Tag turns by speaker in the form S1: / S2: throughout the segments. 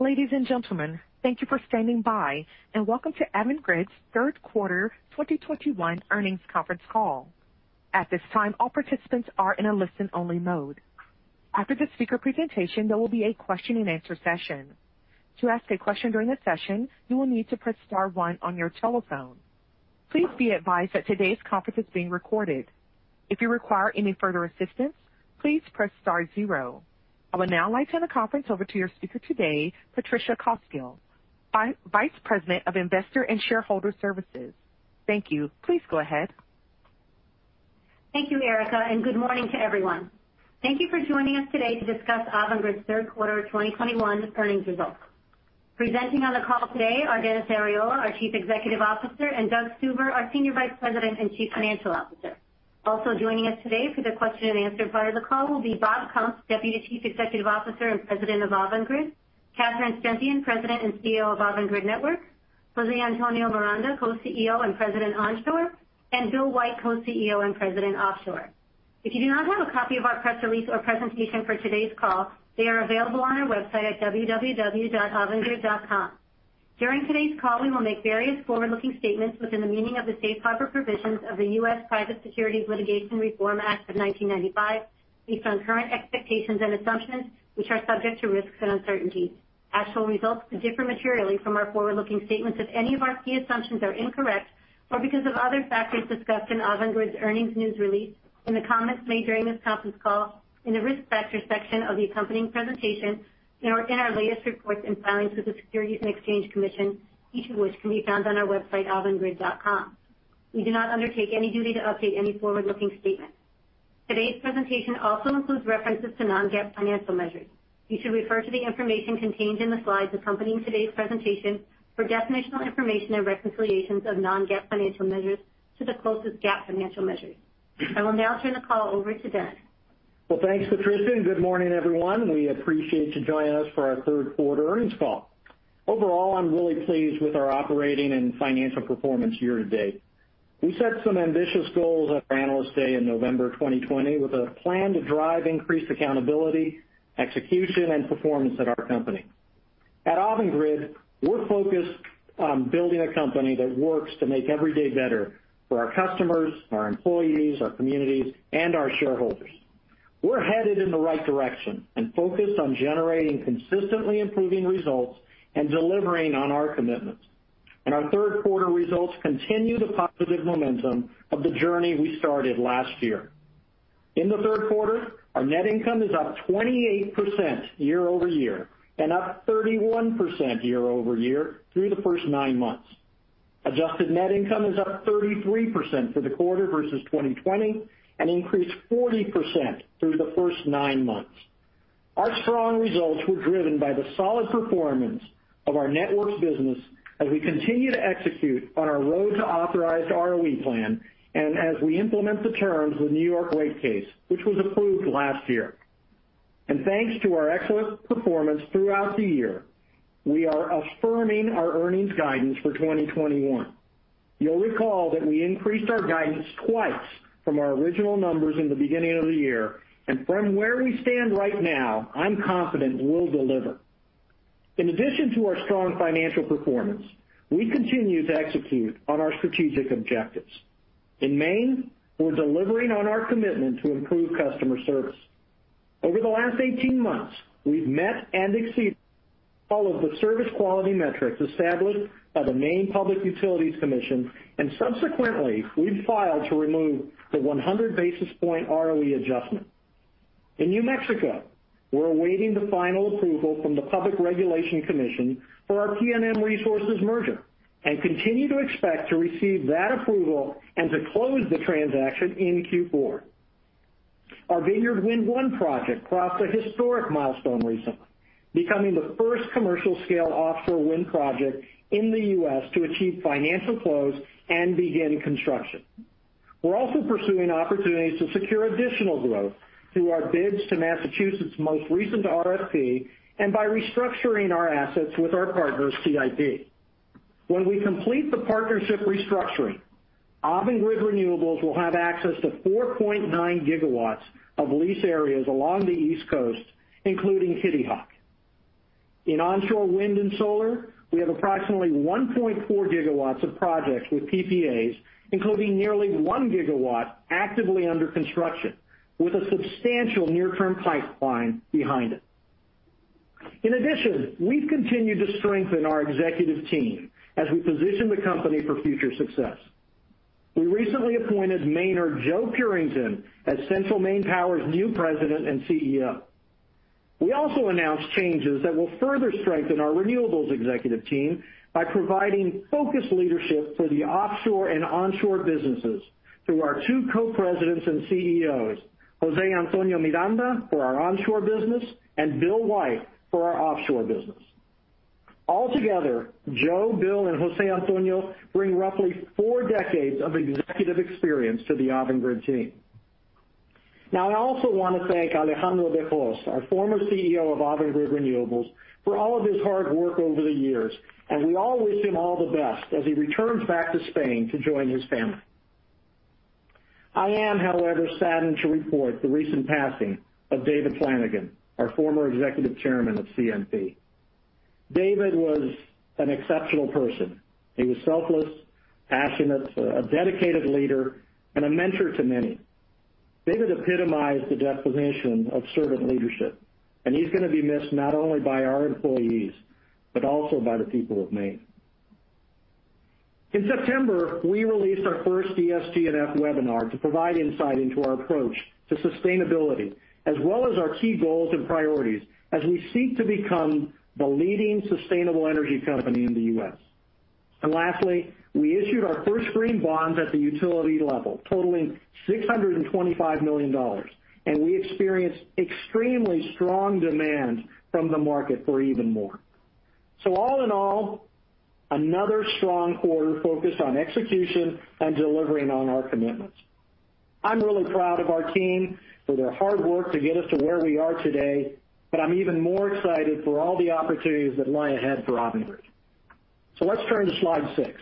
S1: Ladies and gentlemen, thank you for standing by, and welcome to Avangrid's Third Quarter 2021 Earnings Conference Call. At this time, all participants are in a listen-only mode. After the speaker presentation, there will be a question-and-answer session. To ask a question during the session, you will need to press star one on your telephone. Please be advised that today's conference is being recorded. If you require any further assistance, please press star zero. I would now like to hand the conference over to your speaker today, Patricia Cosgel, Vice President of Investor and Shareholder Services. Thank you. Please go ahead.
S2: Thank you, Erica, and good morning to everyone. Thank you for joining us today to discuss Avangrid's Third Quarter 2021 Earnings Results. Presenting on the call today are Dennis Arriola, our Chief Executive Officer, and Doug Stuver, our Senior Vice President and Chief Financial Officer. Also joining us today for the question-and-answer part of the call will be Bob Kump, Deputy Chief Executive Officer and President of Avangrid, Catherine Stempien, President and CEO of Avangrid Networks, José Antonio Miranda, Co-CEO and President, Onshore, and Bill White, Co-CEO and President, Offshore. If you do not have a copy of our press release or presentation for today's call, they are available on our website at www.avangrid.com. During today's call, we will make various forward-looking statements within the meaning of the Safe Harbor provisions of the US Private Securities Litigation Reform Act of 1995 based on current expectations and assumptions, which are subject to risks and uncertainties. Actual results could differ materially from our forward-looking statements if any of our key assumptions are incorrect or because of other factors discussed in Avangrid's earnings news release, in the comments made during this conference call, in the Risk Factors section of the accompanying presentation, and in our latest reports and filings with the Securities and Exchange Commission, each of which can be found on our website, avangrid.com. We do not undertake any duty to update any forward-looking statement. Today's presentation also includes references to non-GAAP financial measures. You should refer to the information contained in the slides accompanying today's presentation for definitional information and reconciliations of non-GAAP financial measures to the closest GAAP financial measures. I will now turn the call over to Dennis.
S3: Well, thanks, Patricia, and good morning, everyone. We appreciate you joining us for our third quarter earnings call. Overall, I'm really pleased with our operating and financial performance year-to-date. We set some ambitious goals at our Analyst Day in November 2020, with a plan to drive increased accountability, execution, and performance at our company. At Avangrid, we're focused on building a company that works to make every day better for our customers, our employees, our communities, and our shareholders. We're headed in the right direction and focused on generating consistently improving results and delivering on our commitments. Our third quarter results continue the positive momentum of the journey we started last year. In the third quarter, our net income is up 28% year-over-year and up 31% year-over-year through the first nine months. Adjusted net income is up 33% for the quarter versus 2020 and increased 40% through the first nine months. Our strong results were driven by the solid performance of our networks business as we continue to execute on our road to authorized ROE plan and as we implement the terms of the New York rate case, which was approved last year. Thanks to our excellent performance throughout the year, we are affirming our earnings guidance for 2021. You'll recall that we increased our guidance twice from our original numbers in the beginning of the year, and from where we stand right now, I'm confident we'll deliver. In addition to our strong financial performance, we continue to execute on our strategic objectives. In Maine, we're delivering on our commitment to improve customer service. Over the last 18 months, we've met and exceeded all of the service quality metrics established by the Maine Public Utilities Commission, and subsequently, we've filed to remove the 100 basis point ROE adjustment. In New Mexico, we're awaiting the final approval from the New Mexico Public Regulation Commission for our PNM Resources merger and continue to expect to receive that approval and to close the transaction in Q4. Our Vineyard Wind 1 project crossed a historic milestone recently, becoming the first commercial-scale offshore wind project in the U.S. to achieve financial close and begin construction. We're also pursuing opportunities to secure additional growth through our bids to Massachusetts' most recent RFP and by restructuring our assets with our partners, CIP. When we complete the partnership restructuring, Avangrid Renewables will have access to 4.9 gigawatts of lease areas along the East Coast, including Kitty Hawk. In onshore wind and solar, we have approximately 1.4 gigawatts of projects with PPAs, including nearly 1 gigawatt actively under construction, with a substantial near-term pipeline behind it. In addition, we've continued to strengthen our executive team as we position the company for future success. We recently appointed Mainer Joe Purington as Central Maine Power's new President and CEO. We also announced changes that will further strengthen our renewables executive team by providing focused leadership for the offshore and onshore businesses through our two Co-Presidents and CEOs, José Antonio Miranda for our onshore business and Bill White for our offshore business. Altogether, Joe, Bill, and José Antonio bring roughly four decades of executive experience to the Avangrid team. Now, I also want to thank Alejandro de Hoz, our former CEO of Avangrid Renewables, for all of his hard work over the years, and we all wish him all the best as he returns back to Spain to join his family. I am, however, saddened to report the recent passing of David Flanagan, our former executive chairman of CMP. David was an exceptional person. He was selfless, passionate, a dedicated leader, and a mentor to many. David epitomized the definition of servant leadership, and he's gonna be missed not only by our employees, but also by the people of Maine. In September, we released our first ESG&F webinar to provide insight into our approach to sustainability, as well as our key goals and priorities as we seek to become the leading sustainable energy company in the U.S. Lastly, we issued our first green bonds at the utility level, totaling $625 million, and we experienced extremely strong demand from the market for even more. All in all, another strong quarter focused on execution and delivering on our commitments. I'm really proud of our team for their hard work to get us to where we are today, but I'm even more excited for all the opportunities that lie ahead for Avangrid. Let's turn to slide six.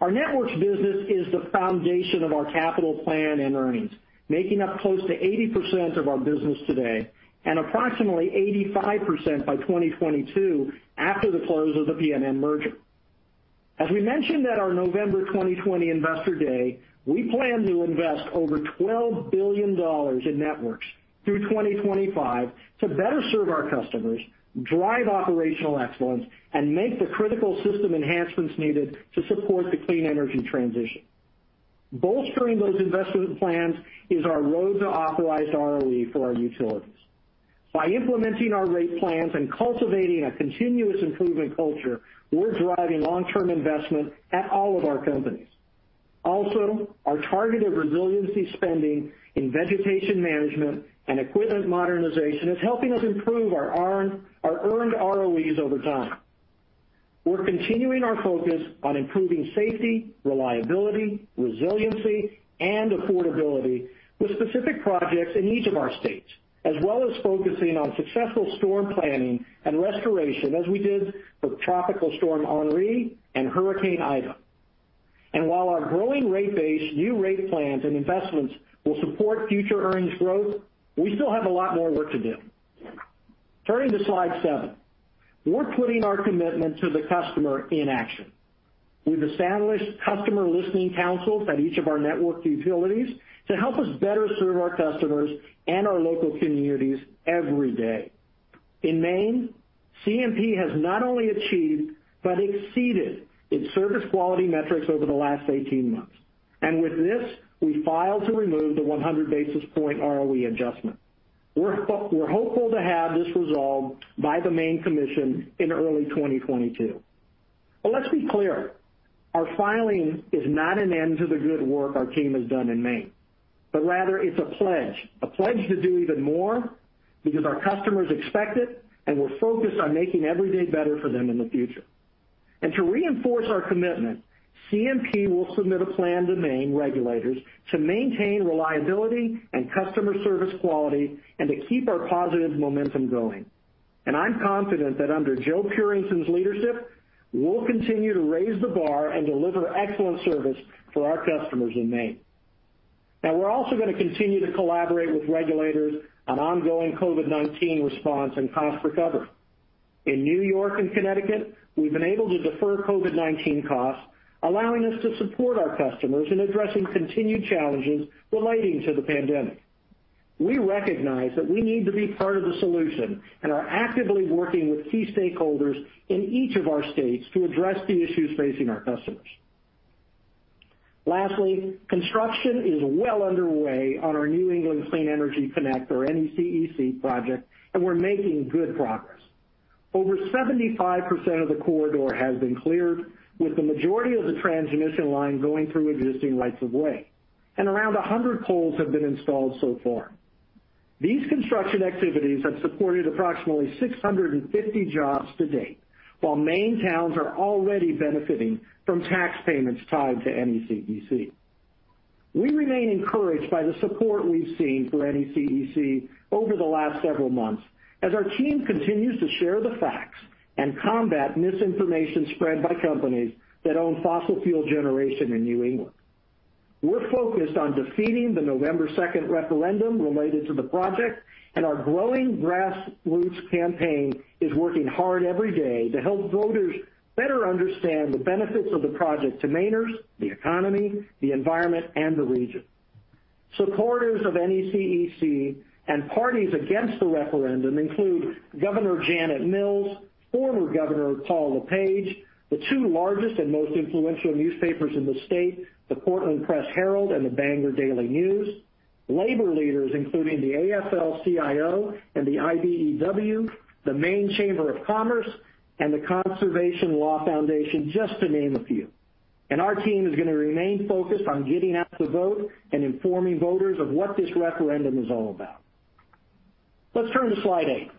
S3: Our Networks business is the foundation of our capital plan and earnings, making up close to 80% of our business today and approximately 85% by 2022 after the close of the PNM merger. As we mentioned at our November 2020 Investor Day, we plan to invest over $12 billion in networks through 2025 to better serve our customers, drive operational excellence, and make the critical system enhancements needed to support the clean energy transition. Bolstering those investment plans is our road to authorized ROE for our utilities. By implementing our rate plans and cultivating a continuous improvement culture, we're driving long-term investment at all of our companies. Also, our targeted resiliency spending in vegetation management and equipment modernization is helping us improve our earn, our earned ROEs over time. We're continuing our focus on improving safety, reliability, resiliency, and affordability with specific projects in each of our states, as well as focusing on successful storm planning and restoration as we did with Tropical Storm Henri and Hurricane Ida. While our growing rate base, new rate plans, and investments will support future earnings growth, we still have a lot more work to do. Turning to slide seven. We're putting our commitment to the customer in action. We've established customer listening councils at each of our network utilities to help us better serve our customers and our local communities every day. In Maine, CMP has not only achieved but exceeded its service quality metrics over the last 18 months, and with this, we filed to remove the 100 basis point ROE adjustment. We're hopeful to have this resolved by the Maine Commission in early 2022. Let's be clear, our filing is not an end to the good work our team has done in Maine, but rather it's a pledge to do even more because our customers expect it, and we're focused on making every day better for them in the future. To reinforce our commitment, CMP will submit a plan to Maine regulators to maintain reliability and customer service quality and to keep our positive momentum going. I'm confident that under Joe Purington's leadership, we'll continue to raise the bar and deliver excellent service for our customers in Maine. Now, we're also gonna continue to collaborate with regulators on ongoing COVID-19 response and cost recovery. In New York and Connecticut, we've been able to defer COVID-19 costs, allowing us to support our customers in addressing continued challenges relating to the pandemic. We recognize that we need to be part of the solution and are actively working with key stakeholders in each of our states to address the issues facing our customers. Lastly, construction is well underway on our New England Clean Energy Connect or NECEC project, and we're making good progress. Over 75% of the corridor has been cleared, with the majority of the transmission line going through existing rights of way, and around 100 poles have been installed so far. These construction activities have supported approximately 650 jobs to date, while Maine towns are already benefiting from tax payments tied to NECEC. We remain encouraged by the support we've seen for NECEC over the last several months as our team continues to share the facts and combat misinformation spread by companies that own fossil fuel generation in New England. We're focused on defeating the November 2nd referendum related to the project, and our growing grassroots campaign is working hard every day to help voters better understand the benefits of the project to Mainers, the economy, the environment, and the region. Supporters of NECEC and parties against the referendum include Governor Janet Mills, former Governor Paul LePage, the two largest and most influential newspapers in the state, the Portland Press Herald and the Bangor Daily News, labor leaders, including the AFL-CIO and the IBEW, the Maine Chamber of Commerce, and the Conservation Law Foundation, just to name a few. Our team is gonna remain focused on getting out the vote and informing voters of what this referendum is all about. Let's turn to slide eight.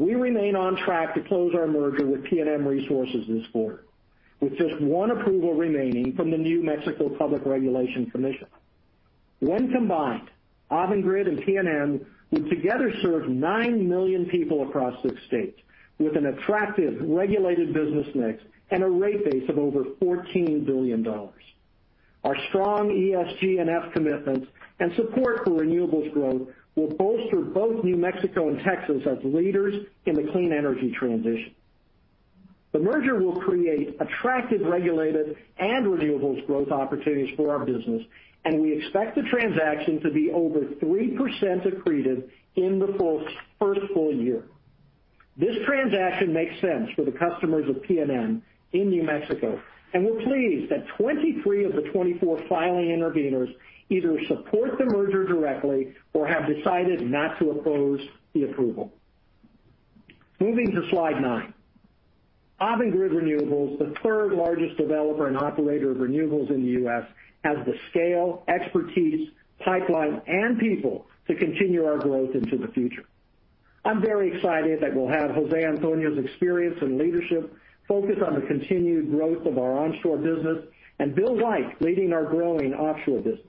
S3: We remain on track to close our merger with PNM Resources this quarter, with just one approval remaining from the New Mexico Public Regulation Commission. When combined, Avangrid and PNM would together serve 9 million people across six states with an attractive regulated business mix and a rate base of over $14 billion. Our strong ESG&F commitments and support for renewables growth will bolster both New Mexico and Texas as leaders in the clean energy transition. The merger will create attractive regulated and renewables growth opportunities for our business, and we expect the transaction to be over 3% accretive in the first full year. This transaction makes sense for the customers of PNM in New Mexico, and we're pleased that 23 of the 24 filing intervenors either support the merger directly or have decided not to oppose the approval. Moving to slide nine. Avangrid Renewables, the third-largest developer and operator of renewables in the U.S., has the scale, expertise, pipeline, and people to continue our growth into the future. I'm very excited that we'll have Jose Antonio's experience and leadership focus on the continued growth of our onshore business and Bill White leading our growing offshore business.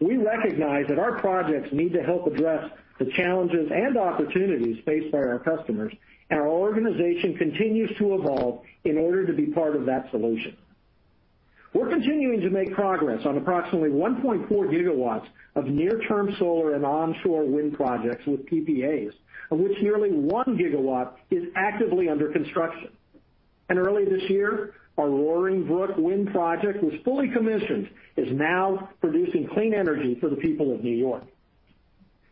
S3: We recognize that our projects need to help address the challenges and opportunities faced by our customers, and our organization continues to evolve in order to be part of that solution. We're continuing to make progress on approximately 1.4 gigawatts of near-term solar and onshore wind projects with PPAs, of which nearly 1 gigawatt is actively under construction. Early this year, our Roaring Brook wind project was fully commissioned, is now producing clean energy for the people of New York.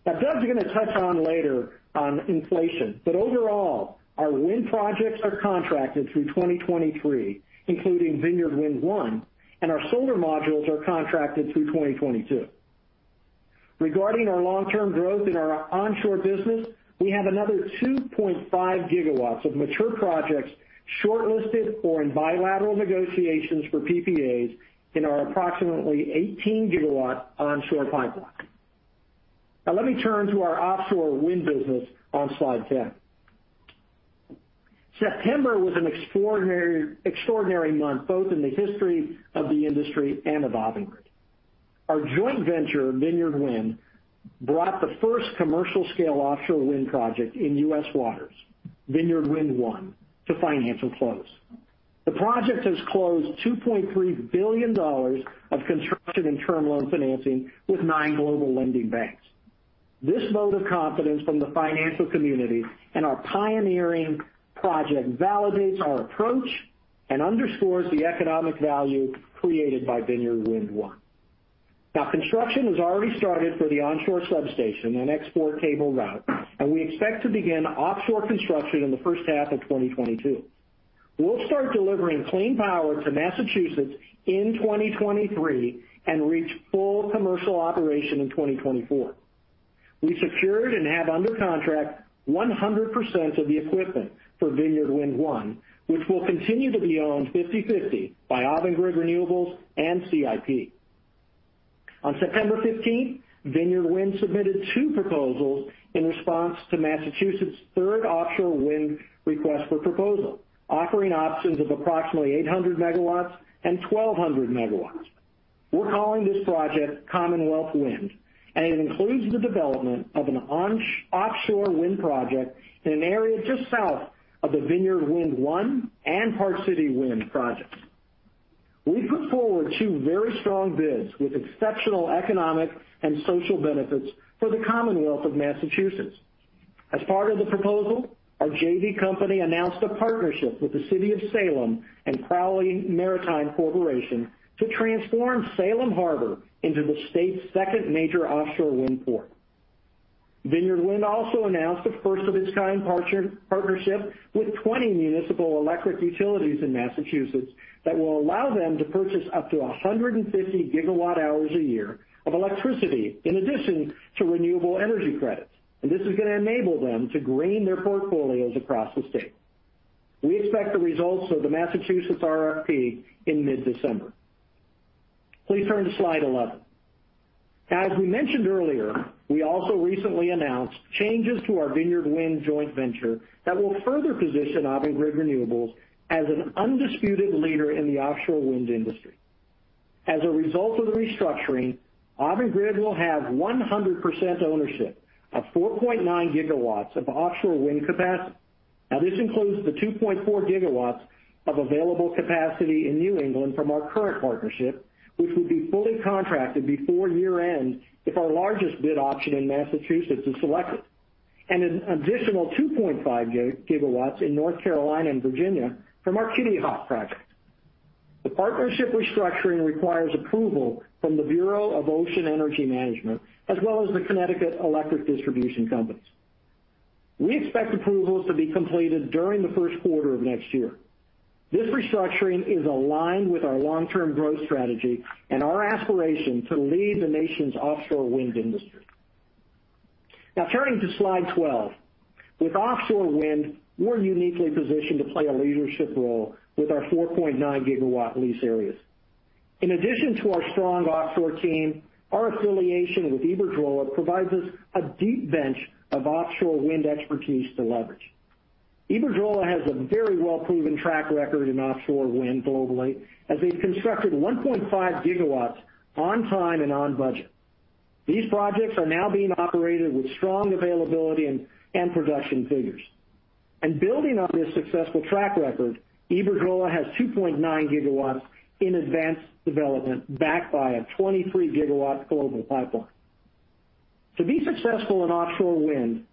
S3: Now, Doug's gonna touch on later on inflation, but overall, our wind projects are contracted through 2023, including Vineyard Wind 1, and our solar modules are contracted through 2022. Regarding our long-term growth in our onshore business, we have another 2.5 gigawatts of mature projects shortlisted or in bilateral negotiations for PPAs in our approximately 18-gigawatt onshore pipeline. Now let me turn to our offshore wind business on slide 10. September was an extraordinary month, both in the history of the industry and of Avangrid. Our joint venture, Vineyard Wind, brought the first commercial-scale offshore wind project in U.S. waters, Vineyard Wind 1, to financial close. The project has closed $2.3 billion of construction and term loan financing with nine global lending banks. This vote of confidence from the financial community and our pioneering project validates our approach and underscores the economic value created by Vineyard Wind 1. Construction has already started for the onshore substation and export cable route, and we expect to begin offshore construction in the first half of 2022. We'll start delivering clean power to Massachusetts in 2023 and reach full commercial operation in 2024. We secured and have under contract 100% of the equipment for Vineyard Wind 1, which will continue to be owned 50/50 by Avangrid Renewables and CIP. On September 15, Vineyard Wind submitted two proposals in response to Massachusetts' third offshore wind request for proposal, offering options of approximately 800 MW and 1,200 MW. We're calling this project Commonwealth Wind, and it includes the development of an offshore wind project in an area just south of the Vineyard Wind 1 and Park City Wind projects. We put forward two very strong bids with exceptional economic and social benefits for the Commonwealth of Massachusetts. As part of the proposal, our JV company announced a partnership with the City of Salem and Crowley Maritime Corporation to transform Salem Harbor into the state's second major offshore wind port. Vineyard Wind also announced a first of its kind partnership with 20 municipal electric utilities in Massachusetts that will allow them to purchase up to 150 gigawatt-hours a year of electricity in addition to renewable energy credits, and this is gonna enable them to green their portfolios across the state. We expect the results of the Massachusetts RFP in mid-December. Please turn to slide 11. As we mentioned earlier, we also recently announced changes to our Vineyard Wind joint venture that will further position Avangrid Renewables as an undisputed leader in the offshore wind industry. As a result of the restructuring, Avangrid will have 100% ownership of 4.9 GW of offshore wind capacity. Now, this includes the 2.4 GW of available capacity in New England from our current partnership, which will be fully contracted before year-end if our largest bid option in Massachusetts is selected, and an additional 2.5 GW in North Carolina and Virginia from our Kitty Hawk project. The partnership restructuring requires approval from the Bureau of Ocean Energy Management, as well as the Connecticut electric distribution companies. We expect approvals to be completed during the first quarter of next year. This restructuring is aligned with our long-term growth strategy and our aspiration to lead the nation's offshore wind industry. Now turning to slide 12. With offshore wind, we're uniquely positioned to play a leadership role with our 4.9 GW lease areas. In addition to our strong offshore team, our affiliation with Iberdrola provides us a deep bench of offshore wind expertise to leverage. Iberdrola has a very well-proven track record in offshore wind globally as they've constructed 1.5 GW on time and on budget. These projects are now being operated with strong availability and production figures. Building on this successful track record, Iberdrola has 2.9 GW in advanced development, backed by a 23 GW global pipeline. To be successful in offshore wind,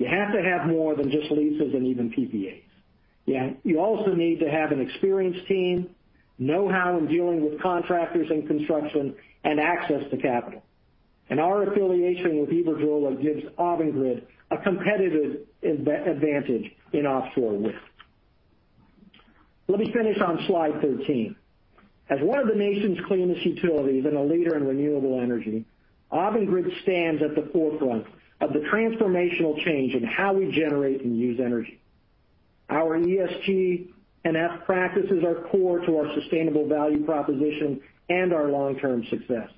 S3: you have to have more than just leases and even PPAs. Yeah, you also need to have an experienced team, know-how in dealing with contractors and construction, and access to capital. Our affiliation with Iberdrola gives Avangrid a competitive advantage in offshore wind. Let me finish on slide 13. As one of the nation's cleanest utilities and a leader in renewable energy, Avangrid stands at the forefront of the transformational change in how we generate and use energy. Our ESG & F practices are core to our sustainable value proposition and our long-term success.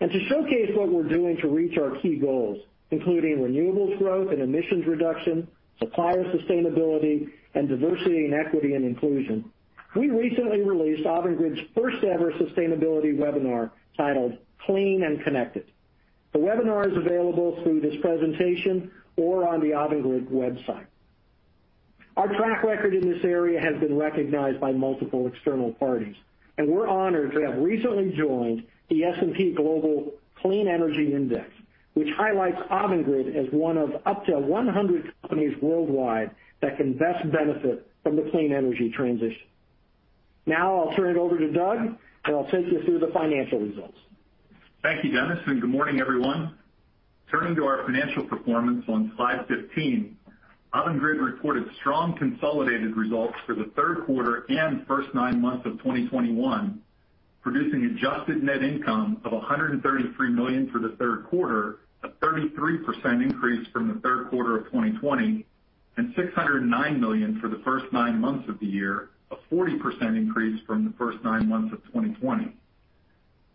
S3: To showcase what we're doing to reach our key goals, including renewables growth and emissions reduction, supplier sustainability, and diversity and equity and inclusion, we recently released Avangrid's first-ever sustainability webinar titled Clean and Connected. The webinar is available through this presentation or on the Avangrid website. Our track record in this area has been recognized by multiple external parties, and we're honored to have recently joined the S&P Global Clean Energy Index, which highlights Avangrid as one of up to 100 companies worldwide that can best benefit from the clean energy transition. Now I'll turn it over to Doug, who will take you through the financial results.
S4: Thank you, Dennis, and good morning, everyone. Turning to our financial performance on slide 15, Avangrid reported strong consolidated results for the third quarter and first nine months of 2021, producing adjusted net income of $133 million for the third quarter, a 33% increase from the third quarter of 2020, and $609 million for the first nine months of the year, a 40% increase from the first nine months of 2020.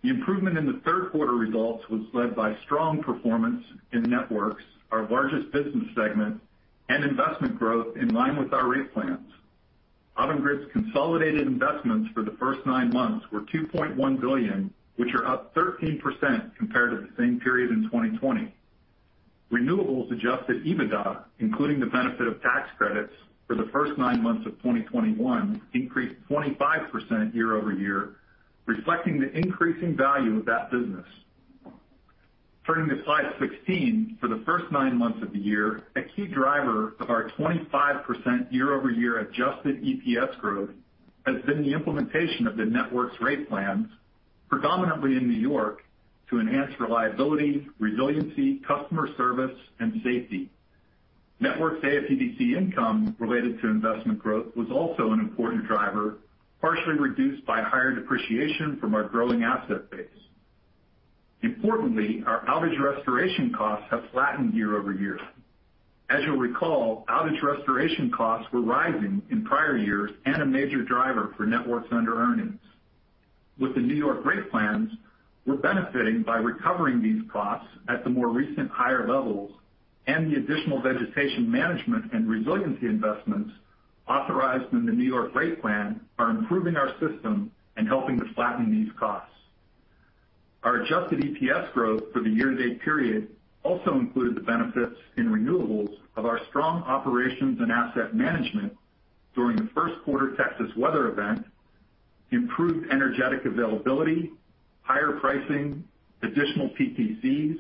S4: The improvement in the third quarter results was led by strong performance in Networks, our largest business segment, and investment growth in line with our rate plans. Avangrid's consolidated investments for the first nine months were $2.1 billion, which are up 13% compared to the same period in 2020. Renewables adjusted EBITDA, including the benefit of tax credits for the first nine months of 2021, increased 25% year-over-year, reflecting the increasing value of that business. Turning to slide 16. For the first nine months of the year, a key driver of our 25% year-over-year adjusted EPS growth has been the implementation of the Networks rate plans, predominantly in New York, to enhance reliability, resiliency, customer service, and safety. Networks AFUDC income related to investment growth was also an important driver, partially reduced by higher depreciation from our growing asset base. Importantly, our outage restoration costs have flattened year-over-year. As you'll recall, outage restoration costs were rising in prior years and a major driver for Networks underearnings. With the New York rate plans, we're benefiting by recovering these costs at the more recent higher levels, and the additional vegetation management and resiliency investments authorized in the New York rate plan are improving our system and helping to flatten these costs. Our adjusted EPS growth for the year-to-date period also included the benefits in renewables of our strong operations and asset management during the first quarter Texas weather event, improved energy availability, higher pricing, additional PPAs,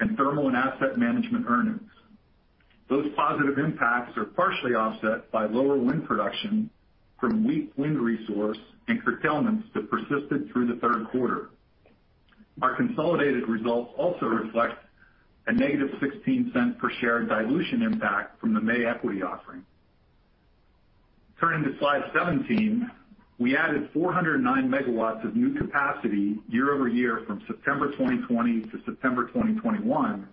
S4: and thermal and asset management earnings. Those positive impacts are partially offset by lower wind production from weak wind resource and curtailments that persisted through the third quarter. Our consolidated results also reflect a negative $0.16 per share dilution impact from the May equity offering. Turning to slide 17. We added 409 MW of new capacity year-over-year from September 2020 to September 2021,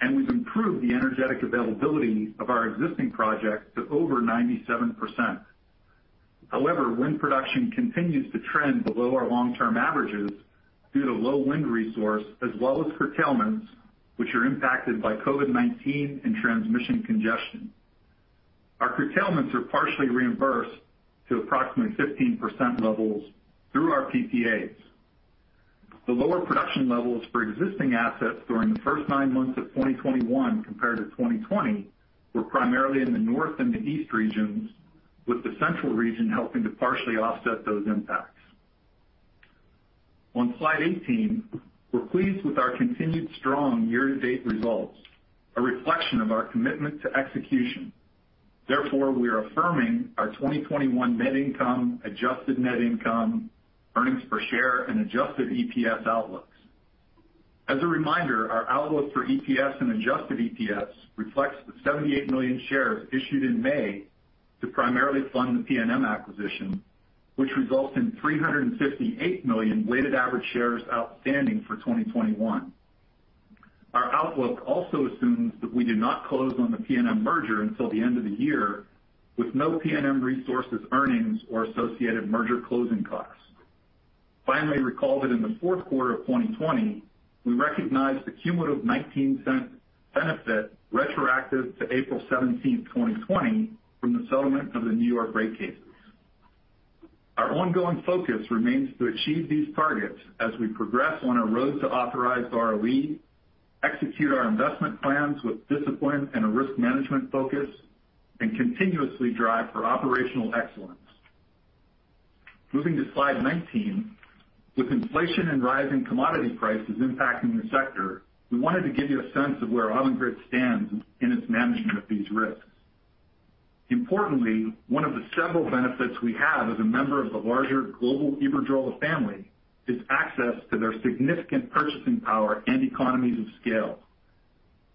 S4: and we've improved the energetic availability of our existing projects to over 97%. However, wind production continues to trend below our long-term averages due to low wind resource as well as curtailments, which are impacted by COVID-19 and transmission congestion. Our curtailments are partially reimbursed to approximately 15% levels through our PPAs. The lower production levels for existing assets during the first nine months of 2021 compared to 2020 were primarily in the North and the East regions, with the Central region helping to partially offset those impacts. On slide 18, we're pleased with our continued strong year-to-date results, a reflection of our commitment to execution. Therefore, we are affirming our 2021 net income, adjusted net income, earnings per share, and adjusted EPS outlooks. As a reminder, our outlook for EPS and adjusted EPS reflects the 78 million shares issued in May to primarily fund the PNM acquisition, which results in 358 million weighted average shares outstanding for 2021. Our outlook also assumes that we do not close on the PNM merger until the end of the year with no PNM Resources earnings or associated merger closing costs. Finally, we called it in the fourth quarter of 2020, we recognized the cumulative $0.19 benefit retroactive to April 17, 2020 from the settlement of the New York rate cases. Our ongoing focus remains to achieve these targets as we progress on our road to authorized ROE, execute our investment plans with discipline and a risk management focus, and continuously drive for operational excellence. Moving to slide 19. With inflation and rising commodity prices impacting the sector, we wanted to give you a sense of where Avangrid stands in its management of these risks. Importantly, one of the several benefits we have as a member of the larger global Iberdrola family is access to their significant purchasing power and economies of scale.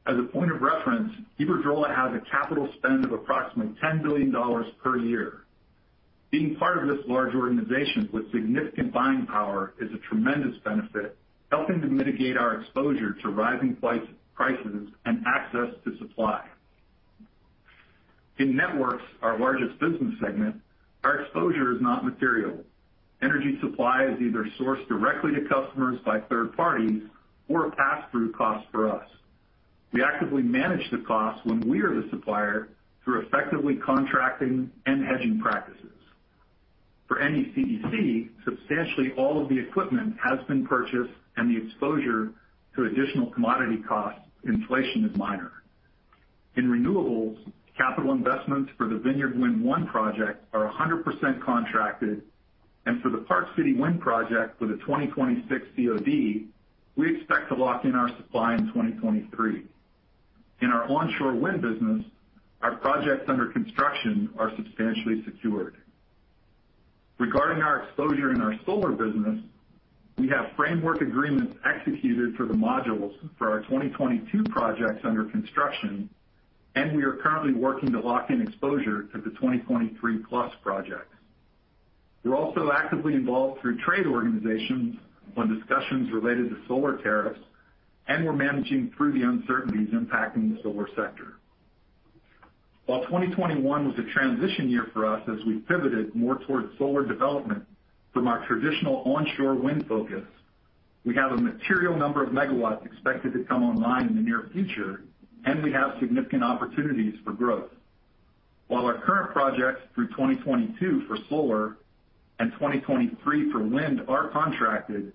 S4: As a point of reference, Iberdrola has a capital spend of approximately $10 billion per year. Being part of this large organization with significant buying power is a tremendous benefit, helping to mitigate our exposure to rising prices and access to supply. In networks, our largest business segment, our exposure is not material. Energy supply is either sourced directly to customers by third parties or a pass-through cost for us. We actively manage the cost when we are the supplier through effectively contracting and hedging practices. For NECEC, substantially all of the equipment has been purchased and the exposure to additional commodity costs inflation is minor. In renewables, capital investments for the Vineyard Wind 1 project are 100% contracted, and for the Park City Wind project with a 2026 COD, we expect to lock in our supply in 2023. In our onshore wind business, our projects under construction are substantially secured. Regarding our exposure in our solar business, we have framework agreements executed for the modules for our 2022 projects under construction, and we are currently working to lock in exposure to the 2023+ projects. We're also actively involved through trade organizations on discussions related to solar tariffs, and we're managing through the uncertainties impacting the solar sector. While 2021 was a transition year for us as we pivoted more towards solar development from our traditional onshore wind focus, we have a material number of megawatts expected to come online in the near future, and we have significant opportunities for growth. While our current projects through 2022 for solar and 2023 for wind are contracted,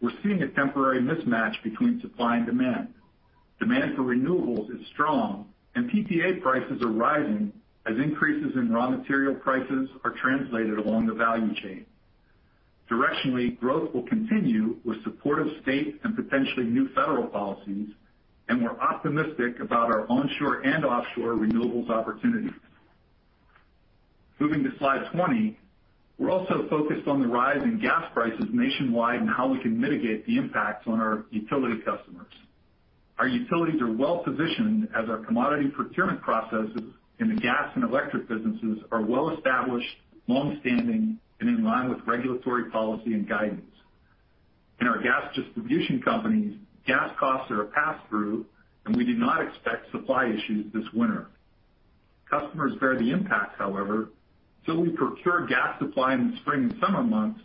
S4: we're seeing a temporary mismatch between supply and demand. Demand for renewables is strong and PPA prices are rising as increases in raw material prices are translated along the value chain. Directionally, growth will continue with supportive state and potentially new federal policies, and we're optimistic about our onshore and offshore renewables opportunities. Moving to slide 20. We're also focused on the rise in gas prices nationwide and how we can mitigate the impacts on our utility customers. Our utilities are well-positioned as our commodity procurement processes in the gas and electric businesses are well established, long-standing, and in line with regulatory policy and guidance. In our gas distribution companies, gas costs are a pass-through, and we do not expect supply issues this winter. Customers bear the impact, however, so we procure gas supply in the spring and summer months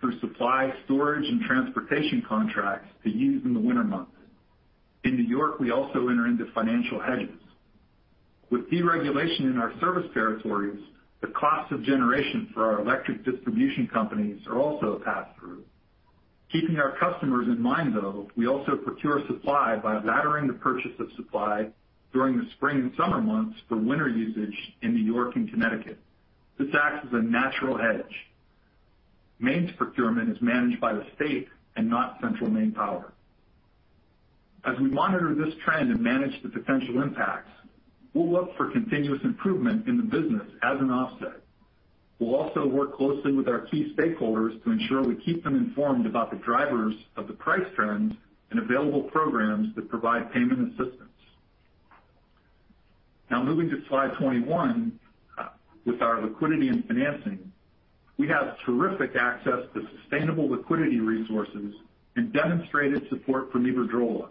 S4: through supply, storage, and transportation contracts to use in the winter months. In New York, we also enter into financial hedges. With deregulation in our service territories, the costs of generation for our electric distribution companies are also a pass-through. Keeping our customers in mind, though, we also procure supply by laddering the purchase of supply during the spring and summer months for winter usage in New York and Connecticut. This acts as a natural hedge. Maine's procurement is managed by the state and not Central Maine Power. As we monitor this trend and manage the potential impacts, we'll look for continuous improvement in the business as an offset. We'll also work closely with our key stakeholders to ensure we keep them informed about the drivers of the price trends and available programs that provide payment assistance. Now, moving to slide 21. With our liquidity and financing, we have terrific access to sustainable liquidity resources and demonstrated support from Iberdrola.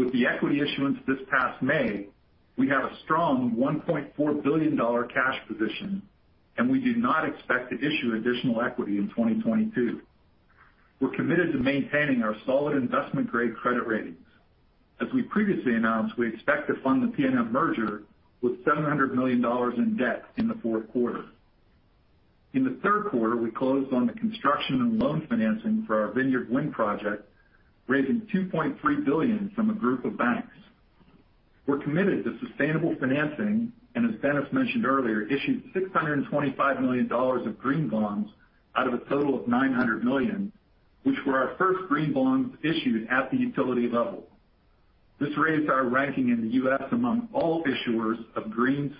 S4: With the equity issuance this past May, we have a strong $1.4 billion cash position, and we do not expect to issue additional equity in 2022. We're committed to maintaining our solid investment-grade credit ratings. As we previously announced, we expect to fund the PNM merger with $700 million in debt in the fourth quarter. In the third quarter, we closed on the construction and loan financing for our Vineyard Wind project, raising $2.3 billion from a group of banks. We're committed to sustainable financing, and as Dennis mentioned earlier, issued $625 million of green bonds out of a total of $900 million, which were our first green bonds issued at the utility level. This raised our ranking in the U.S. among all issuers of green,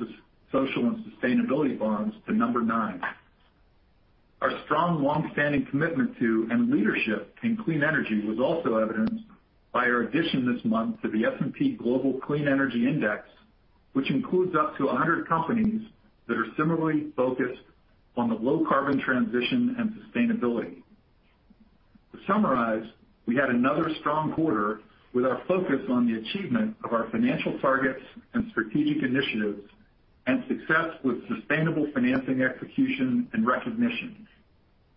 S4: social and sustainability bonds to number 9. Our strong long-standing commitment to and leadership in clean energy was also evidenced by our addition this month to the S&P Global Clean Energy Index, which includes up to 100 companies that are similarly focused on the low carbon transition and sustainability. To summarize, we had another strong quarter with our focus on the achievement of our financial targets and strategic initiatives and success with sustainable financing execution and recognition.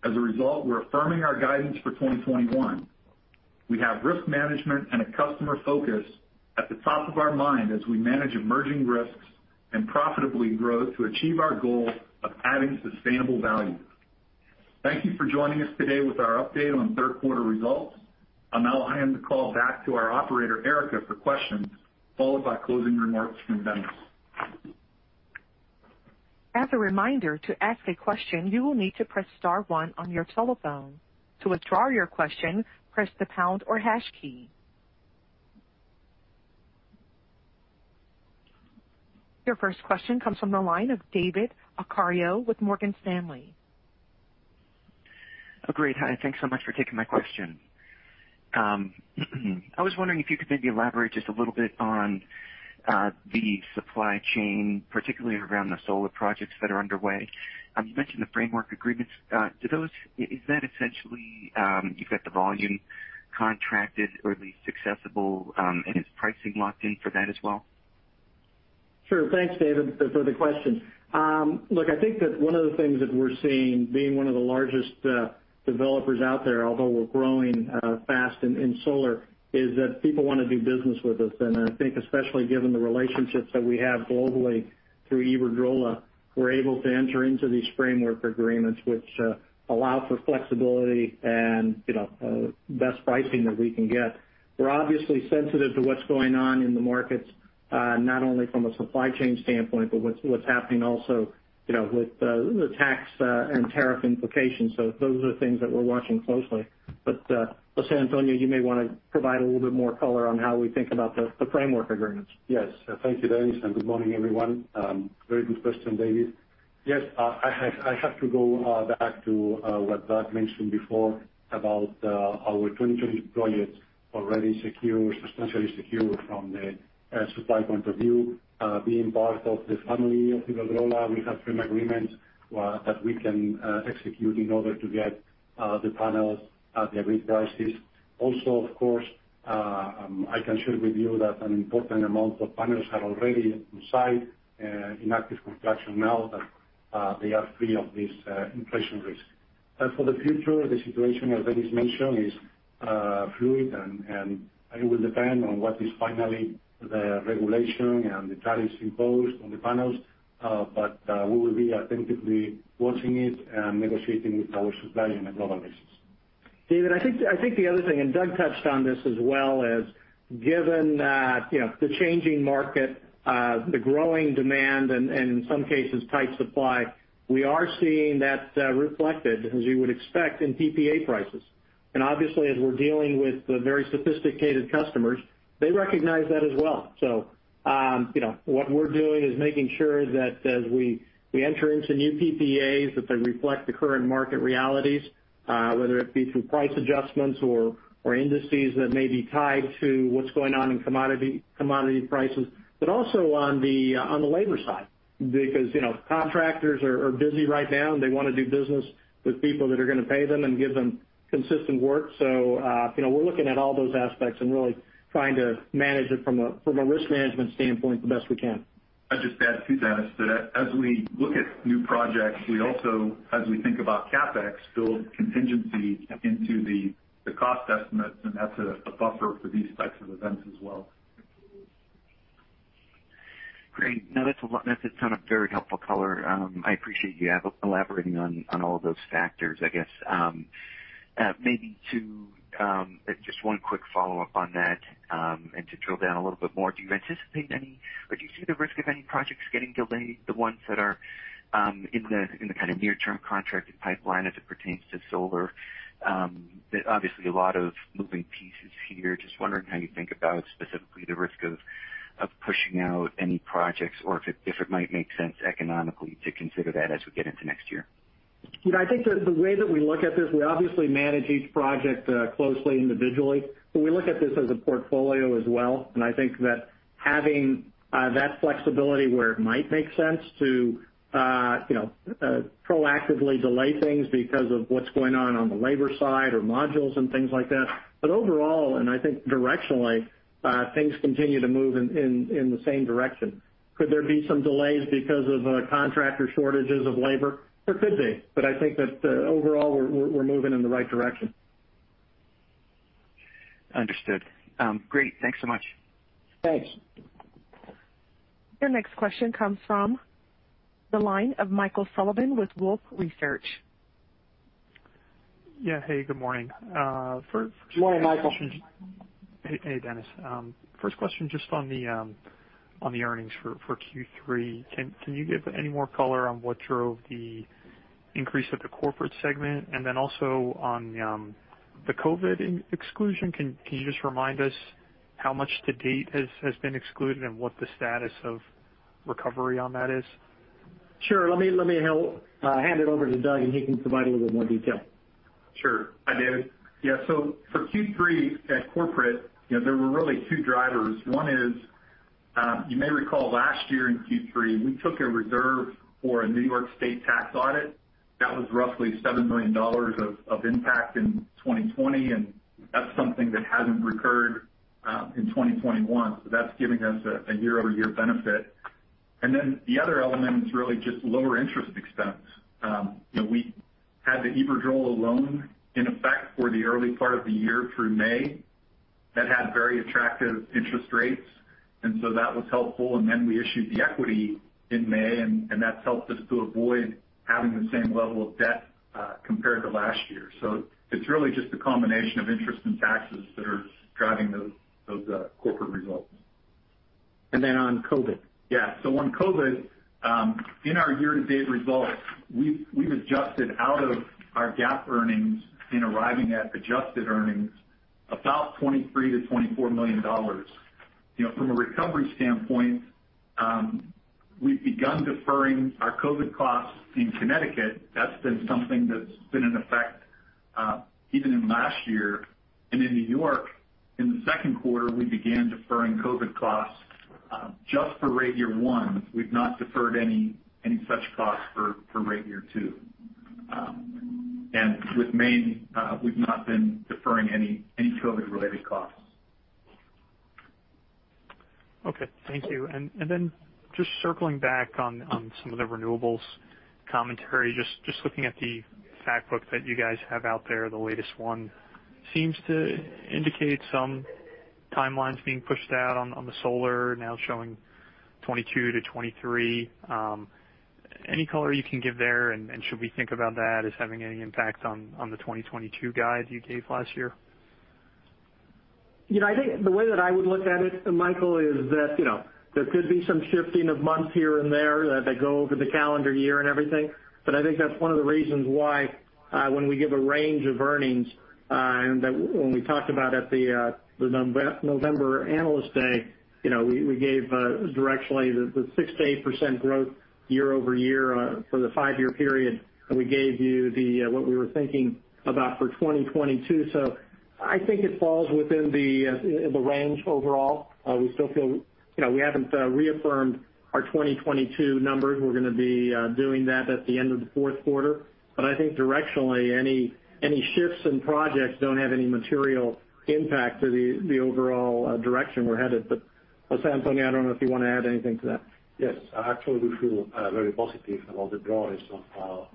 S4: As a result, we're affirming our guidance for 2021. We have risk management and a customer focus at the top of our mind as we manage emerging risks and profitably grow to achieve our goal of adding sustainable value. Thank you for joining us today with our update on third quarter results. I'll now hand the call back to our operator, Erica, for questions, followed by closing remarks from Dennis.
S1: As a reminder, to ask a question, you will need to press star one on your telephone. To withdraw your question, press the pound or hash key. Your first question comes from the line of David Arcaro with Morgan Stanley.
S5: Oh, great. Hi, thanks so much for taking my question. I was wondering if you could maybe elaborate just a little bit on the supply chain, particularly around the solar projects that are underway. You mentioned the framework agreements. Is that essentially you've got the volume contracted or at least accessible, and is pricing locked in for that as well?
S3: Sure. Thanks, David, for the question. Look, I think that one of the things that we're seeing being one of the largest developers out there, although we're growing fast in solar, is that people wanna do business with us. I think especially given the relationships that we have globally through Iberdrola, we're able to enter into these framework agreements which allow for flexibility and, you know, best pricing that we can get. We're obviously sensitive to what's going on in the markets, not only from a supply chain standpoint, but what's happening also, you know, with the tax and tariff implications. Those are things that we're watching closely. José Antonio, you may wanna provide a little bit more color on how we think about the framework agreements.
S6: Yes. Thank you, Dennis, and good morning, everyone. Very good question, David. Yes, I have to go back to what Doug mentioned before about our 2020 projects already secure, substantially secure from the supply point of view. Being part of the family of Iberdrola, we have framework agreements that we can execute in order to get the panels at the agreed prices. Also, of course, I can share with you that an important amount of panels are already on site in active construction now that they are free of this inflation risk. As for the future, the situation, as Dennis mentioned, is fluid and it will depend on what is finally the regulation and the tariffs imposed on the panels. We will be attentively watching it and negotiating with our supply on a global basis.
S3: David, I think the other thing, and Doug touched on this as well, is given that, you know, the changing market, the growing demand and in some cases tight supply, we are seeing that reflected, as you would expect, in PPA prices. Obviously as we're dealing with very sophisticated customers, they recognize that as well. You know, what we're doing is making sure that as we enter into new PPAs, that they reflect the current market realities, whether it be through price adjustments or indices that may be tied to what's going on in commodity prices. Also on the labor side, because, you know, contractors are busy right now, and they wanna do business with people that are gonna pay them and give them consistent work. You know, we're looking at all those aspects and really trying to manage it from a risk management standpoint the best we can.
S4: I'd just add to that is that as we look at new projects, we also, as we think about CapEx, build contingency into the cost estimates, and that's a buffer for these types of events as well.
S5: Great. No, that's a ton of very helpful color. I appreciate elaborating on all of those factors. I guess, maybe to just one quick follow-up on that, and to drill down a little bit more. Do you anticipate any or do you see the risk of any projects getting delayed, the ones that are in the kind of near-term contracted pipeline as it pertains to solar? Obviously a lot of moving pieces here. Just wondering how you think about specifically the risk of pushing out any projects or if it might make sense economically to consider that as we get into next year.
S3: You know, I think that the way that we look at this, we obviously manage each project closely individually, but we look at this as a portfolio as well. I think that having that flexibility where it might make sense to you know proactively delay things because of what's going on on the labor side or modules and things like that. Overall, I think directionally, things continue to move in the same direction. Could there be some delays because of contractor shortages of labor? There could be. I think that overall, we're moving in the right direction.
S5: Understood. Great. Thanks so much.
S3: Thanks.
S1: Your next question comes from the line of Michael Sullivan with Wolfe Research.
S7: Yeah. Hey, good morning.
S3: Good morning, Michael.
S7: Hey, Dennis. First question, just on the earnings for Q3. Can you give any more color on what drove the increase of the corporate segment? Then also on the COVID exclusion, can you just remind us how much to date has been excluded and what the status of recovery on that is?
S3: Sure. Let me hand it over to Doug, and he can provide a little bit more detail.
S4: Sure.
S7: Hi, Doug.
S4: Yeah, so for Q3 at corporate, you know, there were really two drivers. One is, you may recall last year in Q3, we took a reserve for a New York State tax audit that was roughly $7 million of impact in 2020, and that's something that hasn't recurred in 2021. That's giving us a year-over-year benefit. The other element is really just lower interest expense. You know, we had the Iberdrola loan in effect for the early part of the year through May. That had very attractive interest rates, and so that was helpful. We issued the equity in May, and that's helped us to avoid having the same level of debt compared to last year. It's really just a combination of interest and taxes that are driving those corporate results.
S7: On COVID?
S4: On COVID, in our year-to-date results, we've adjusted out of our GAAP earnings in arriving at adjusted earnings about $23 million-$24 million. From a recovery standpoint, we've begun deferring our COVID costs in Connecticut. That's been something that's been in effect even in last year. In New York, in the second quarter, we began deferring COVID costs just for rate year 1. We've not deferred any such costs for rate year 2. With Maine, we've not been deferring any COVID-related costs.
S7: Okay. Thank you. Then just circling back on some of the renewables commentary, just looking at the fact book that you guys have out there, the latest one seems to indicate some timelines being pushed out on the solar now showing 2022-2023. Any color you can give there, and should we think about that as having any impact on the 2022 guide you gave last year?
S3: You know, I think the way that I would look at it, Michael, is that, you know, there could be some shifting of months here and there that go over the calendar year and everything, but I think that's one of the reasons why, when we give a range of earnings, and when we talked about at the November Analyst Day, you know, we gave directionally the 6%-8% growth year-over-year for the five-year period. We gave you the what we were thinking about for 2022. I think it falls within the range overall. We still feel you know, we haven't reaffirmed our 2022 numbers. We're gonna be doing that at the end of the fourth quarter. I think directionally, any shifts in projects don't have any material impact to the overall direction we're headed. José Antonio, I don't know if you wanna add anything to that.
S6: Yes. Actually, we feel very positive about the progress of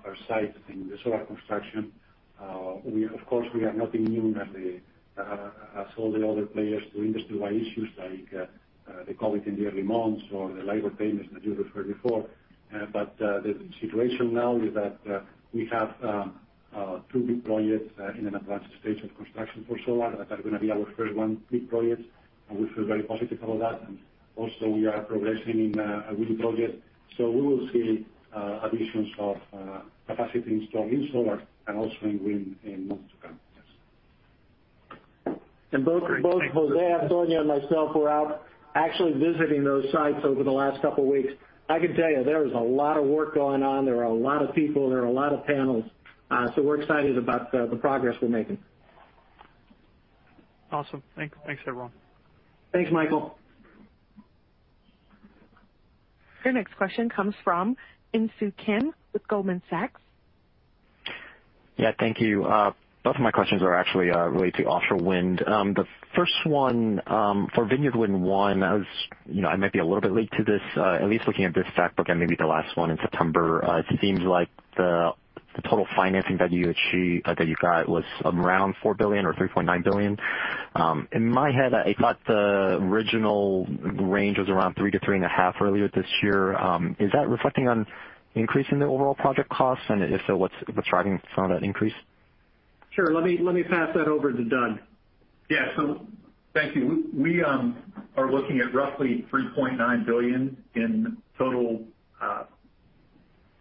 S6: our site in the solar construction. Of course, we are not immune, as all the other players, to industry-wide issues like the COVID in the early months or the labor payments that you referred before. The situation now is that we have two big projects in an advanced stage of construction for solar that are gonna be our first one big projects, and we feel very positive about that. Also, we are progressing in a wind project. We will see additions of capacity installed in solar and also in wind in months to come. Yes.
S3: Both
S7: Great. Thank you.
S3: Both José Antonio and myself were out actually visiting those sites over the last couple weeks. I can tell you there is a lot of work going on. There are a lot of people. There are a lot of panels. We're excited about the progress we're making.
S7: Awesome. Thanks, everyone.
S3: Thanks, Michael.
S1: Your next question comes from Insoo Kim with Goldman Sachs.
S8: Yeah. Thank you. Both of my questions are actually related to offshore wind. The first one, for Vineyard Wind 1, you know, I might be a little bit late to this. At least looking at this fact book and maybe the last one in September, it seems like the total financing that you achieved—that you got was around $4 billion or $3.9 billion. In my head, I thought the original range was around $3-$3.5 billion earlier this year. Is that reflecting an increase in the overall project costs? And if so, what's driving some of that increase?
S3: Sure. Let me pass that over to Doug.
S4: Yeah. Thank you. We are looking at roughly $3.9 billion in total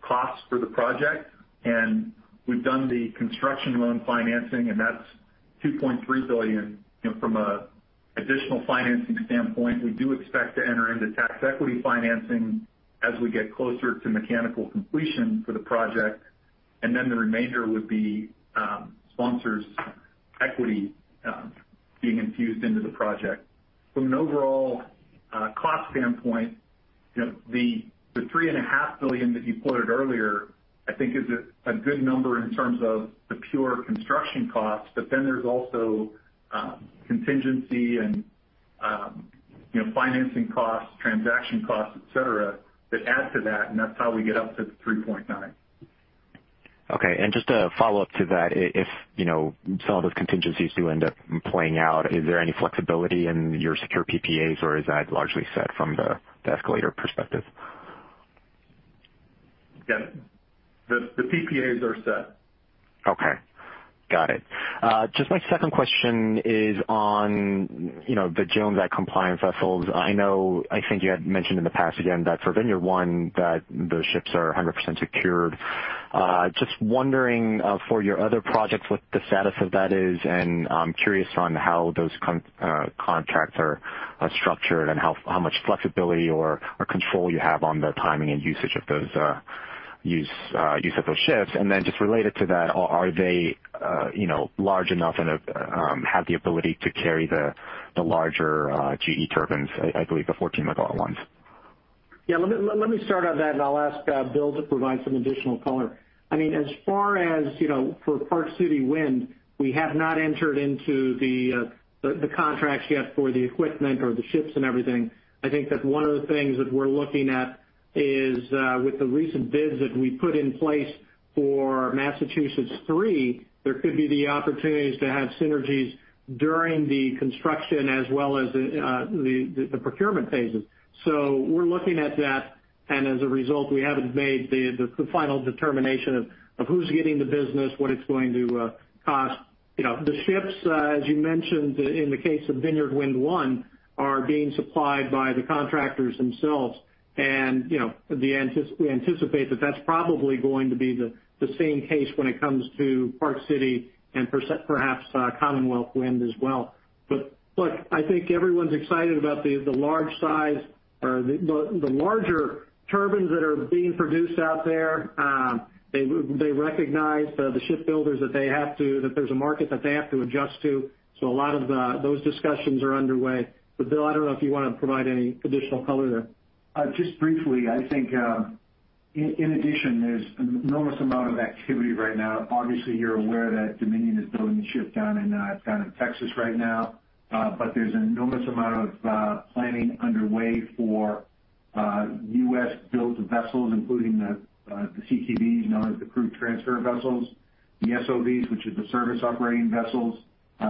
S4: costs for the project, and we've done the construction loan financing, and that's $2.3 billion. You know, from an additional financing standpoint, we do expect to enter into tax equity financing as we get closer to mechanical completion for the project, and then the remainder would be sponsors' equity being infused into the project. From an overall cost standpoint, you know, the $3.5 billion that you quoted earlier, I think is a good number in terms of the pure construction costs. But then there's also contingency and you know, financing costs, transaction costs, et cetera, that add to that, and that's how we get up to the $3.9 billion.
S8: Okay. Just a follow-up to that. If you know, some of those contingencies do end up playing out, is there any flexibility in your secure PPAs, or is that largely set from the escalator perspective?
S4: Yeah. The PPAs are set.
S8: Okay. Got it. Just my second question is on, you know, the Jones Act compliant vessels. I know, I think you had mentioned in the past again that for Vineyard Wind 1 that the ships are 100% secured. Just wondering, for your other projects, what the status of that is, and I'm curious on how those contracts are structured and how much flexibility or control you have on the timing and usage of those ships. Then just related to that, are they you know large enough and have the ability to carry the larger GE turbines, I believe the 14 MW ones?
S3: Yeah. Let me start on that, and I'll ask Bill to provide some additional color. I mean, as far as, you know, for Park City Wind, we have not entered into the contracts yet for the equipment or the ships and everything. I think that one of the things that we're looking at is with the recent bids that we put in place for Massachusetts 3, there could be the opportunities to have synergies during the construction as well as the procurement phases. We're looking at that, and as a result, we haven't made the final determination of who's getting the business, what it's going to cost. You know, the ships, as you mentioned in the case of Vineyard Wind 1, are being supplied by the contractors themselves. We anticipate that that's probably going to be the same case when it comes to Park City and perhaps Commonwealth Wind as well. Look, I think everyone's excited about the large size or the larger turbines that are being produced out there. They recognize the shipbuilders that there's a market that they have to adjust to. A lot of those discussions are underway. Bill, I don't know if you wanna provide any additional color there.
S9: Just briefly. I think in addition there's an enormous amount of activity right now. Obviously, you're aware that Dominion is building a ship down in Texas right now. But there's enormous amount of planning underway for U.S.-built vessels, including the CTVs, known as the crew transfer vessels, the SOVs which is the Service Operation Vessels.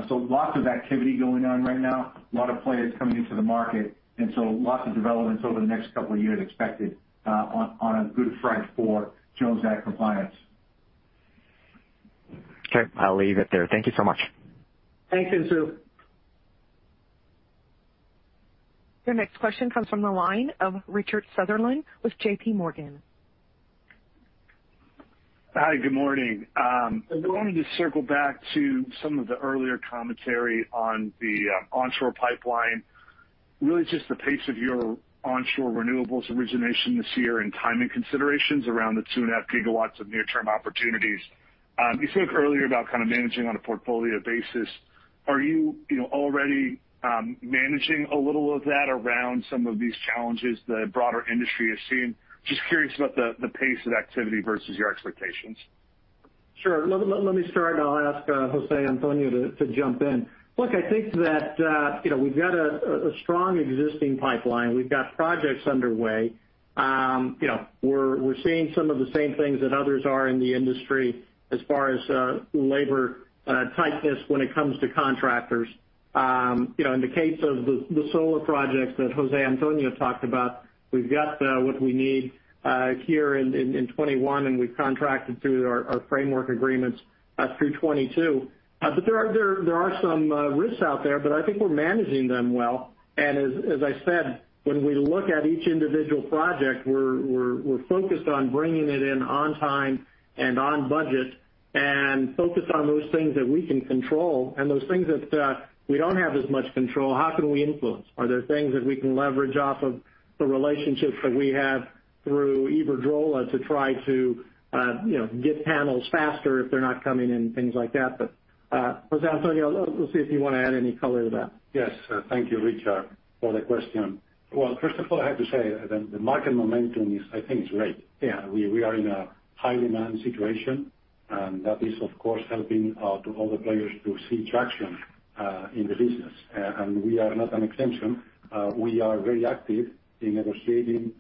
S9: Lots of activity going on right now. A lot of players coming into the market, lots of developments over the next couple of years expected on a good front for Jones Act compliance.
S8: Okay. I'll leave it there. Thank you so much.
S3: Thank you, Insoo.
S1: Your next question comes from the line of Richard Sunderland with JPMorgan.
S10: Hi, good morning. I wanted to circle back to some of the earlier commentary on the onshore pipeline. Really just the pace of your onshore renewables origination this year and timing considerations around the 2.5 gigawatts of near-term opportunities. You spoke earlier about kind of managing on a portfolio basis. Are you know, already managing a little of that around some of these challenges the broader industry is seeing? Just curious about the pace of activity versus your expectations.
S3: Sure. Let me start, and I'll ask José Antonio to jump in. Look, I think that you know, we've got a strong existing pipeline. We've got projects underway. You know, we're seeing some of the same things that others are in the industry as far as labor tightness when it comes to contractors. You know, in the case of the solar projects that José Antonio talked about, we've got what we need here in 2021, and we've contracted through our framework agreements through 2022. There are some risks out there, but I think we're managing them well. As I said, when we look at each individual project, we're focused on bringing it in on time and on budget, and focused on those things that we can control and those things that we don't have as much control, how can we influence? Are there things that we can leverage off of the relationships that we have through Iberdrola to try to you know, get panels faster if they're not coming in, things like that. José Antonio, let's see if you wanna add any color to that.
S6: Yes. Thank you, Richard, for the question. Well, first of all, I have to say the market momentum is, I think, great. Yeah, we are in a high demand situation, and that is, of course, helping to all the players to see traction in the business. We are not an exception. We are very active in negotiating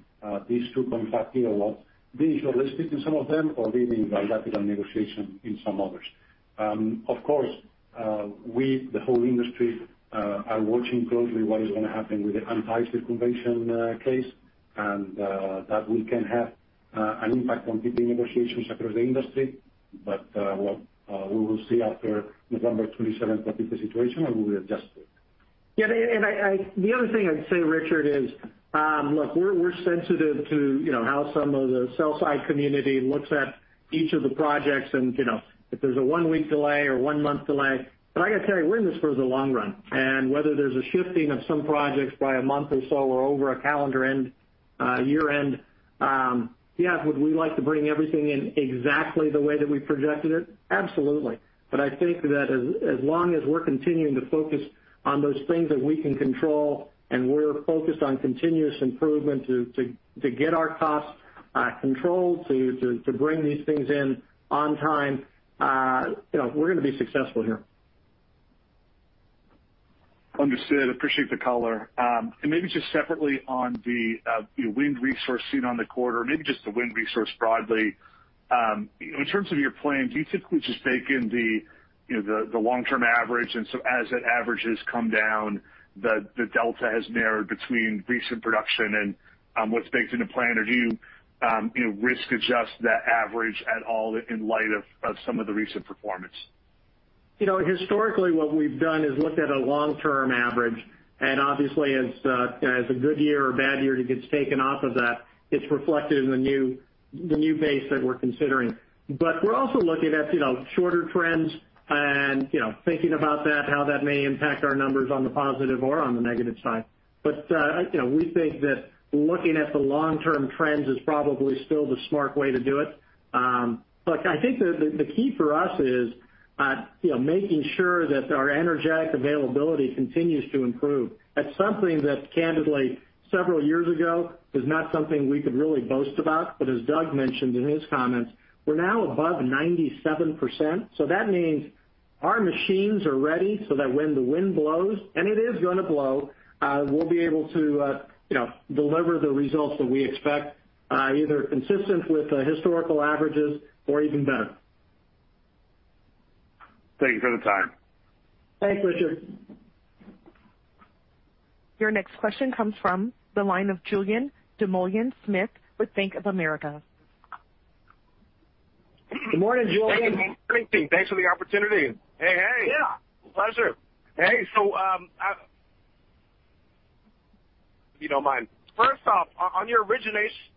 S6: these 2.5 GW, being shortlisted in some of them or leading bilateral negotiation in some others. Of course, we, the whole industry, are watching closely what is gonna happen with the antitrust conditions case, and that we can have an impact on keeping negotiations across the industry. What we will see after November 27th of the situation, and we will adjust to it.
S3: Yeah. The other thing I'd say, Richard, is, look, we're sensitive to, you know, how some of the sell side community looks at each of the projects and, you know, if there's a one-week delay or one-month delay. I gotta tell you, we're in this for the long run. Whether there's a shifting of some projects by a month or so or over a calendar end, year-end, yes, would we like to bring everything in exactly the way that we projected it? Absolutely. I think that as long as we're continuing to focus on those things that we can control and we're focused on continuous improvement to get our costs controlled, to bring these things in on time, you know, we're gonna be successful here.
S10: Understood. Appreciate the color. And maybe just separately on the wind resource in the quarter, maybe just the wind resource broadly. In terms of your plans, do you typically just bake in the long-term average, and so as that average has come down, the delta has narrowed between recent production and what's baked in the plan? Or do you risk adjust that average at all in light of some of the recent performance?
S3: You know, historically what we've done is looked at a long-term average, and obviously as a good year or bad year gets taken off of that, it's reflected in the new base that we're considering. We're also looking at, you know, shorter trends and, you know, thinking about that, how that may impact our numbers on the positive or on the negative side. You know, we think that looking at the long-term trends is probably still the smart way to do it. Look, I think the key for us is, you know, making sure that our energy availability continues to improve. That's something that candidly several years ago was not something we could really boast about. As Doug mentioned in his comments, we're now above 97%, so that means our machines are ready so that when the wind blows, and it is gonna blow, we'll be able to, you know, deliver the results that we expect, either consistent with historical averages or even better.
S10: Thank you for the time.
S3: Thanks, Richard.
S1: Your next question comes from the line of Julien Dumoulin-Smith with Bank of America.
S3: Good morning, Julien.
S11: Hey. Good morning to you. Thanks for the opportunity. Hey, hey.
S3: Yeah. Pleasure.
S11: Hey, if you don't mind. First off, on your origination-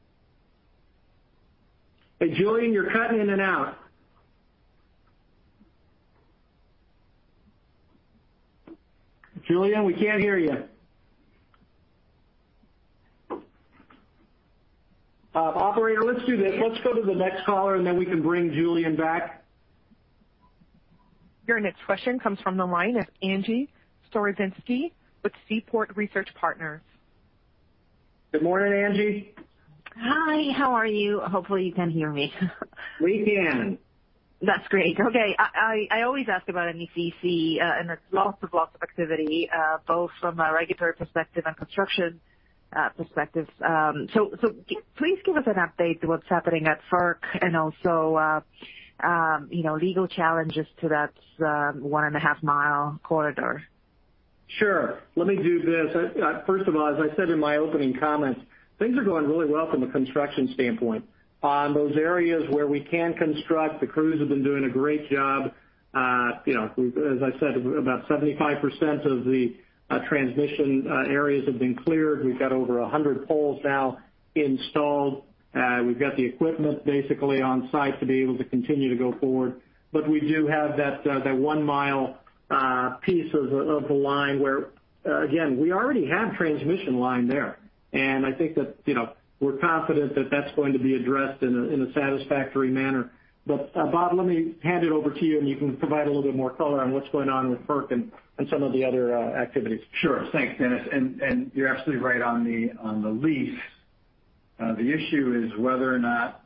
S3: Hey, Julien, you're cutting in and out, Julien. We can't hear you. Operator, let's do this. Let's go to the next caller, and then we can bring Julien back.
S1: Your next question comes from the line of Angie Storozynski with Seaport Research Partners.
S3: Good morning, Angie.
S12: Hi. How are you? Hopefully you can hear me.
S3: We can.
S12: That's great. Okay. I always ask about NECEC, and there's lots of activity, both from a regulatory perspective and construction perspective. Please give us an update to what's happening at FERC and also, you know, legal challenges to that 1.5-mile corridor.
S3: Sure. Let me do this. First of all, as I said in my opening comments, things are going really well from a construction standpoint. On those areas where we can construct, the crews have been doing a great job. As I said, about 75% of the transmission areas have been cleared. We've got over 100 poles now installed. We've got the equipment basically on site to be able to continue to go forward. We do have that one-mile piece of the line where again we already have transmission line there, and I think that, you know, we're confident that that's going to be addressed in a satisfactory manner. Bob, let me hand it over to you, and you can provide a little bit more color on what's going on with FERC and some of the other activities.
S13: Sure. Thanks, Dennis. You're absolutely right on the lease. The issue is whether or not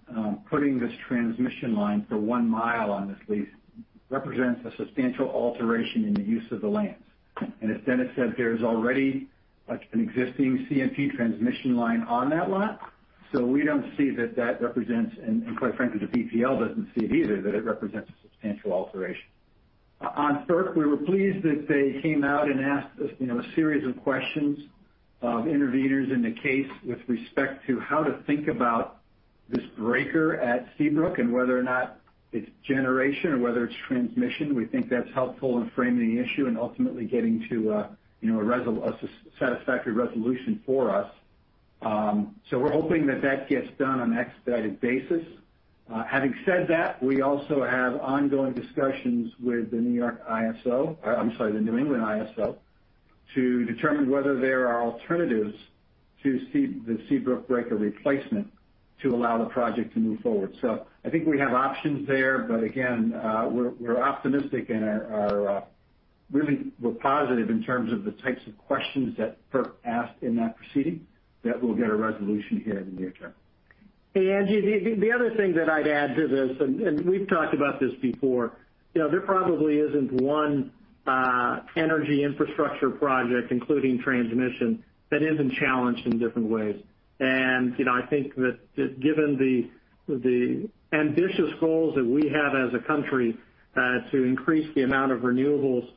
S13: putting this transmission line for one mile on this lease represents a substantial alteration in the use of the land. As Dennis said, there's already, like, an existing CMP transmission line on that lot, so we don't see that it represents a substantial alteration, and quite frankly, the PPL doesn't see it either. On FERC, we were pleased that they came out and asked us a series of questions of intervenors in the case with respect to how to think about this breaker at Seabrook and whether or not it's generation or whether it's transmission. We think that's helpful in framing the issue and ultimately getting to a satisfactory resolution for us. We're hoping that gets done on an expedited basis. Having said that, we also have ongoing discussions with the New York ISO. I'm sorry, the New England ISO to determine whether there are alternatives to the Seabrook breaker replacement to allow the project to move forward. I think we have options there, but again, we're optimistic and are really positive in terms of the types of questions that FERC asked in that proceeding, that we'll get a resolution here in the near term.
S3: Hey, Angie, the other thing that I'd add to this, and we've talked about this before, you know, there probably isn't one energy infrastructure project, including transmission, that isn't challenged in different ways. You know, I think that given the ambitious goals that we have as a country to increase the amount of renewables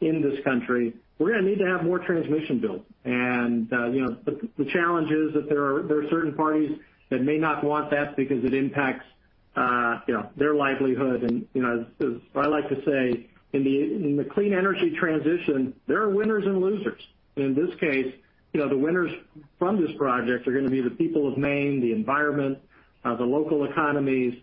S3: in this country, we're gonna need to have more transmission built. You know, the challenge is that there are certain parties that may not want that because it impacts their livelihood. You know, as I like to say, in the clean energy transition, there are winners and losers. In this case, you know, the winners from this project are gonna be the people of Maine, the environment, the local economies,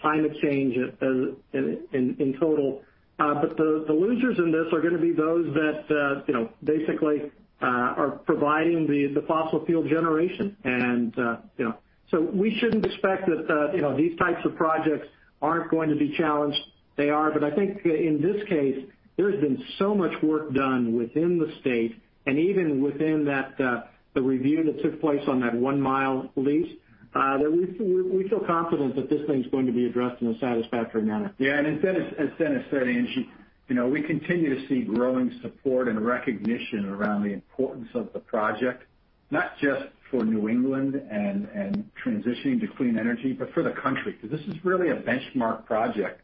S3: climate change as in total. The losers in this are gonna be those that, you know, basically, are providing the fossil fuel generation and, you know. We shouldn't expect that, you know, these types of projects aren't going to be challenged. They are. I think in this case, there has been so much work done within the state and even within that, the review that took place on that one-mile lease, that we feel confident that this thing's going to be addressed in a satisfactory manner.
S13: Yeah. As Dennis said, Angie, you know, we continue to see growing support and recognition around the importance of the project, not just for New England and transitioning to clean energy, but for the country. This is really a benchmark project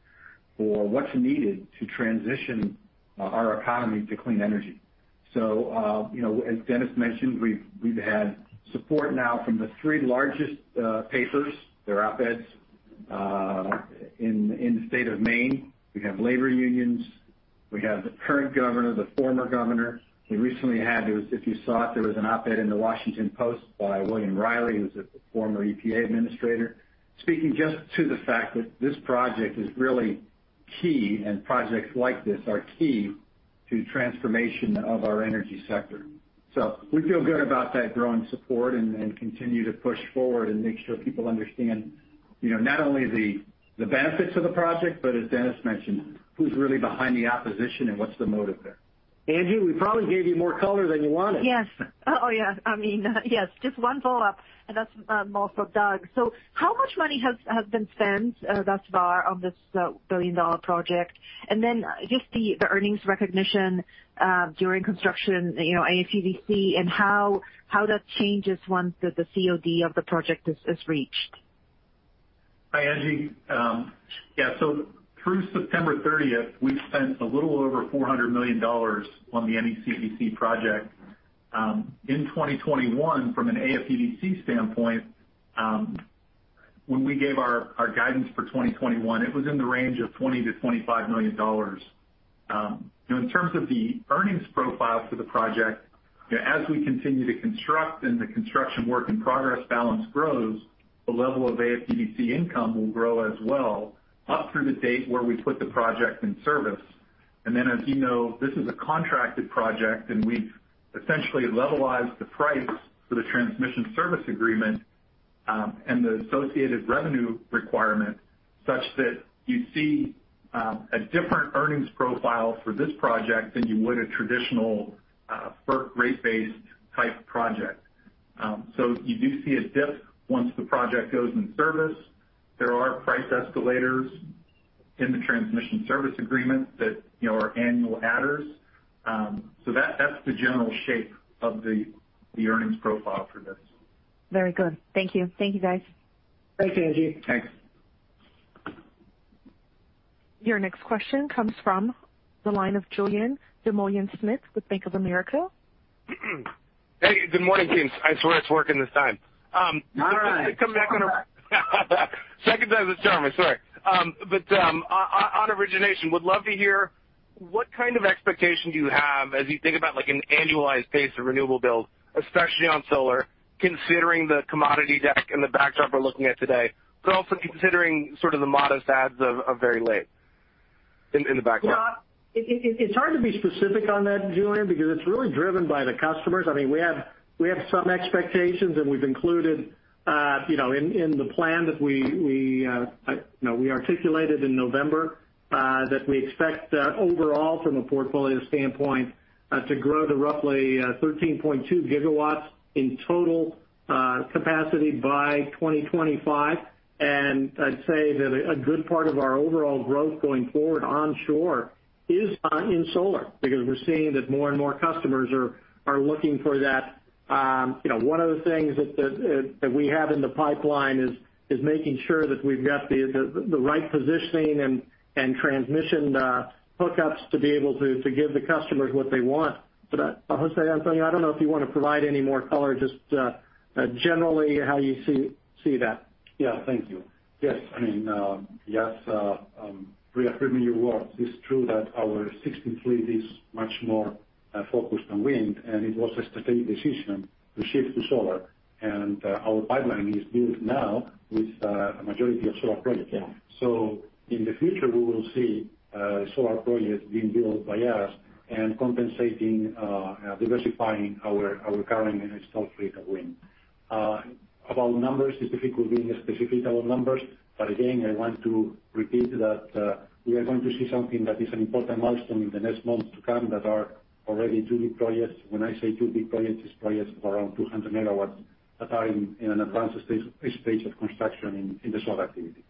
S13: for what's needed to transition our economy to clean energy. You know, as Dennis mentioned, we've had support now from the three largest papers, their op-eds in the state of Maine. We have labor unions. We have the current governor, the former governor. We recently had, if you saw it, there was an op-ed in The Washington Post by William Reilly, who's a former EPA administrator, speaking just to the fact that this project is really key, and projects like this are key to transformation of our energy sector. We feel good about that growing support and continue to push forward and make sure people understand, you know, not only the benefits of the project, but as Dennis mentioned, who's really behind the opposition and what's the motive there.
S3: Angie, we probably gave you more color than you wanted.
S12: Yes. Oh, yeah. I mean, yes, just one follow-up, and that's more for Doug. How much money has been spent thus far on this billion-dollar project? Just the earnings recognition during construction, you know, AFUDC and how that changes once the COD of the project is reached.
S4: Hi, Angie. Through September 30th, we've spent a little over $400 million on the NECEC project. In 2021, from an AFUDC standpoint, when we gave our guidance for 2021, it was in the range of $20 million-$25 million. In terms of the earnings profile for the project, as we continue to construct and the construction work in progress balance grows, the level of AFUDC income will grow as well up through the date where we put the project in service. As you know, this is a contracted project, and we've essentially levelized the price for the transmission service agreement, and the associated revenue requirement such that you see a different earnings profile for this project than you would a traditional FERC rate-based type project. You do see a dip once the project goes in service. There are price escalators in the transmission service agreement that, you know, are annual adders. That's the general shape of the earnings profile for this.
S12: Very good. Thank you. Thank you, guys.
S3: Thanks, Angie.
S4: Thanks.
S1: Your next question comes from the line of Julien Dumoulin-Smith with Bank of America.
S11: Hey, good morning, teams. I swear it's working this time.
S3: Alright.
S11: Sorry to come back, second time's the charm. I'm sorry. On origination, would love to hear what kind of expectation do you have as you think about, like, an annualized pace of renewable build, especially on solar, considering the commodity deck and the backdrop we're looking at today, but also considering sort of the modest adds of Vineyard Wind in the background.
S3: You know, it's hard to be specific on that, Julien, because it's really driven by the customers. I mean, we have some expectations, and we've included, you know, in the plan that we articulated in November, that we expect overall from a portfolio standpoint to grow to roughly 13.2 GW in total capacity by 2025. I'd say that a good part of our overall growth going forward onshore is in solar because we're seeing that more and more customers are looking for that. You know, one of the things that we have in the pipeline is making sure that we've got the right positioning and transmission hookups to be able to give the customers what they want. José Antonio, I don't know if you want to provide any more color, just generally how you see that.
S6: Yeah. Thank you. Yes. I mean, yes, reaffirming your words, it's true that our 60 fleet is much more focused on wind, and it was a strategic decision to shift to solar. Our pipeline is built now with a majority of solar projects.
S3: Yeah.
S6: In the future, we will see solar projects being built by us and diversifying our current installed fleet of wind. About numbers, it's difficult giving specifics about numbers. Again, I want to repeat that we are going to see something that is an important milestone in the next months to come that are already two big projects. When I say two big projects, it's projects of around 200 MW that are in an advanced stage of construction in the solar activity.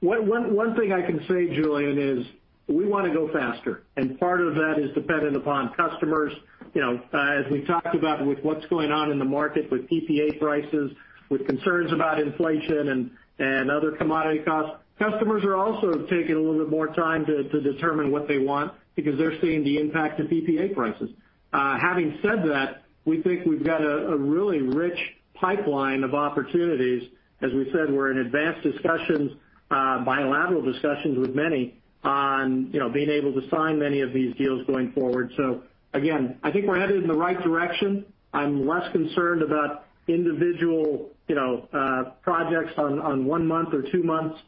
S3: One thing I can say, Julien, is we wanna go faster, and part of that is dependent upon customers. You know, as we've talked about with what's going on in the market with PPA prices, with concerns about inflation and other commodity costs, customers are also taking a little bit more time to determine what they want because they're seeing the impact of PPA prices. Having said that, we think we've got a really rich pipeline of opportunities. As we said, we're in advanced discussions, bilateral discussions with many on, you know, being able to sign many of these deals going forward. Again, I think we're headed in the right direction. I'm less concerned about individual, you know, projects on one month or two months.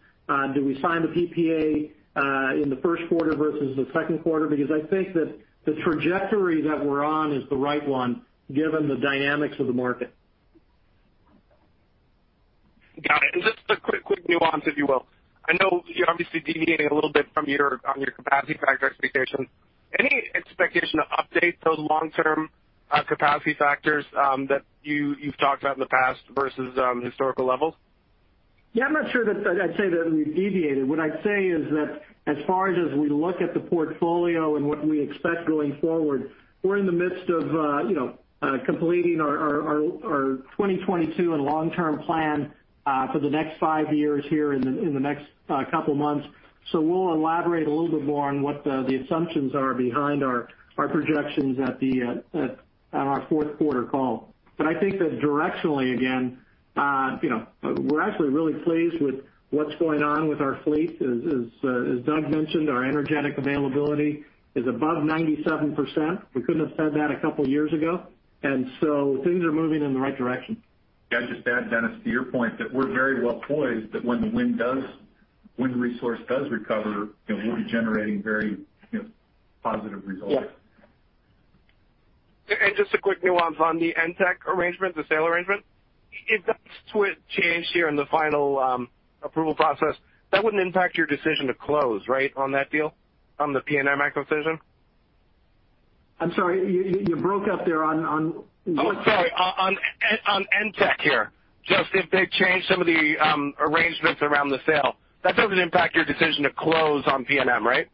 S3: Do we sign the PPA in the first quarter versus the second quarter? Because I think that the trajectory that we're on is the right one, given the dynamics of the market.
S11: Got it. Just a quick nuance, if you will. I know you're obviously deviating a little bit on your capacity factor expectations. Any expectation to update those long-term capacity factors that you've talked about in the past versus historical levels?
S3: Yeah, I'm not sure that I'd say that we've deviated. What I'd say is that as far as we look at the portfolio and what we expect going forward, we're in the midst of completing our 2022 and long-term plan for the next five years here in the next couple months. We'll elaborate a little bit more on what the assumptions are behind our projections at our fourth quarter call. I think that directionally, again, you know, we're actually really pleased with what's going on with our fleet. As Doug mentioned, our energetic availability is above 97%. We couldn't have said that a couple years ago. Things are moving in the right direction.
S4: Yeah. Just to add, Dennis, to your point, that we're very well poised that when the wind resource does recover, you know, we'll be generating very, you know, positive results.
S3: Yeah.
S11: Just a quick nuance on the NTEC arrangement, the sale arrangement. If that switch changed here in the final approval process, that wouldn't impact your decision to close, right, on that deal, on the PNM acquisition?
S3: I'm sorry, you broke up there on.
S11: Oh, sorry. On NTEC here. Just if they change some of the arrangements around the sale, that doesn't impact your decision to close on PNM, right?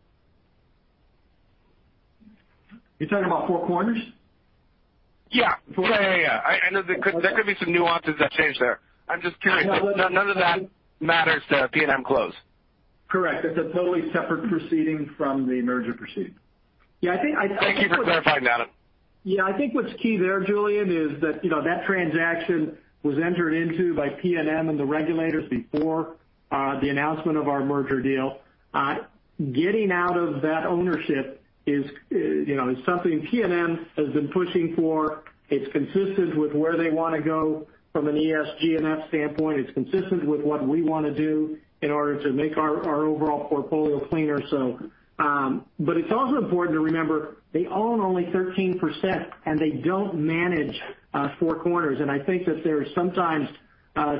S3: You're talking about Four Corners?
S11: Yeah. I know there could be some nuances that change there. I'm just curious. None of that matters to PNM close.
S3: Correct. That's a totally separate proceeding from the merger proceeding. Yeah, I think I
S11: Thank you for clarifying, Dennis.
S3: Yeah. I think what's key there, Julien, is that, you know, that transaction was entered into by PNM and the regulators before the announcement of our merger deal. Getting out of that ownership is, you know, something PNM has been pushing for. It's consistent with where they wanna go from an ESG&F standpoint. It's consistent with what we wanna do in order to make our overall portfolio cleaner so. It's also important to remember, they own only 13%, and they don't manage Four Corners. I think that there is sometimes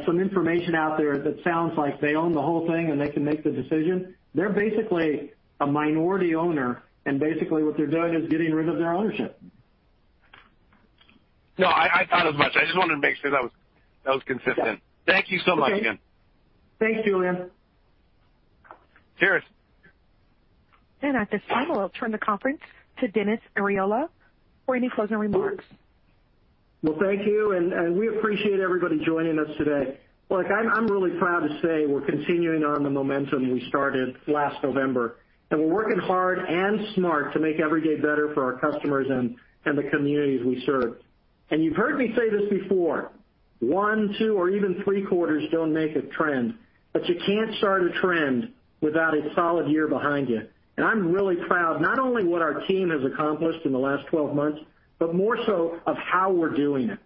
S3: some information out there that sounds like they own the whole thing, and they can make the decision. They're basically a minority owner, and basically what they're doing is getting rid of their ownership.
S11: No, I thought as much. I just wanted to make sure that was consistent. Thank you so much again.
S3: Thanks, Julien.
S11: Cheers.
S1: At this time, I'll turn the conference to Dennis Arriola for any closing remarks.
S3: Well, thank you, and we appreciate everybody joining us today. Look, I'm really proud to say we're continuing on the momentum we started last November, and we're working hard and smart to make every day better for our customers and the communities we serve. You've heard me say this before, one, two or even three quarters don't make a trend, but you can't start a trend without a solid year behind you. I'm really proud not only what our team has accomplished in the last 12 months, but more so of how we're doing it.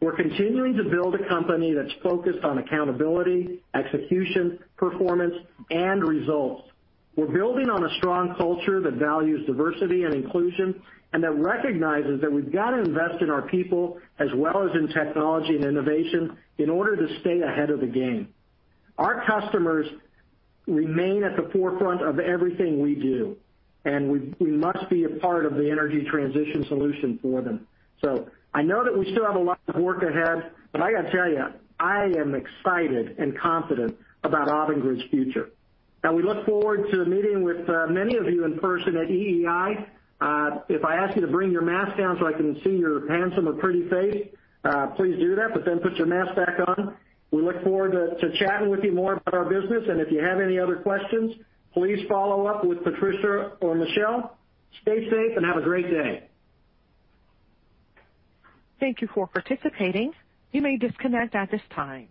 S3: We're continuing to build a company that's focused on accountability, execution, performance, and results. We're building on a strong culture that values diversity and inclusion and that recognizes that we've got to invest in our people as well as in technology and innovation in order to stay ahead of the game. Our customers remain at the forefront of everything we do, and we must be a part of the energy transition solution for them. I know that we still have a lot of work ahead, but I gotta tell you, I am excited and confident about Avangrid's future. Now we look forward to meeting with many of you in person at EEI. If I ask you to bring your mask down so I can see your handsome or pretty face, please do that, but then put your mask back on. We look forward to chatting with you more about our business. If you have any other questions, please follow up with Patricia or Michelle. Stay safe and have a great day.
S1: Thank you for participating. You may disconnect at this time.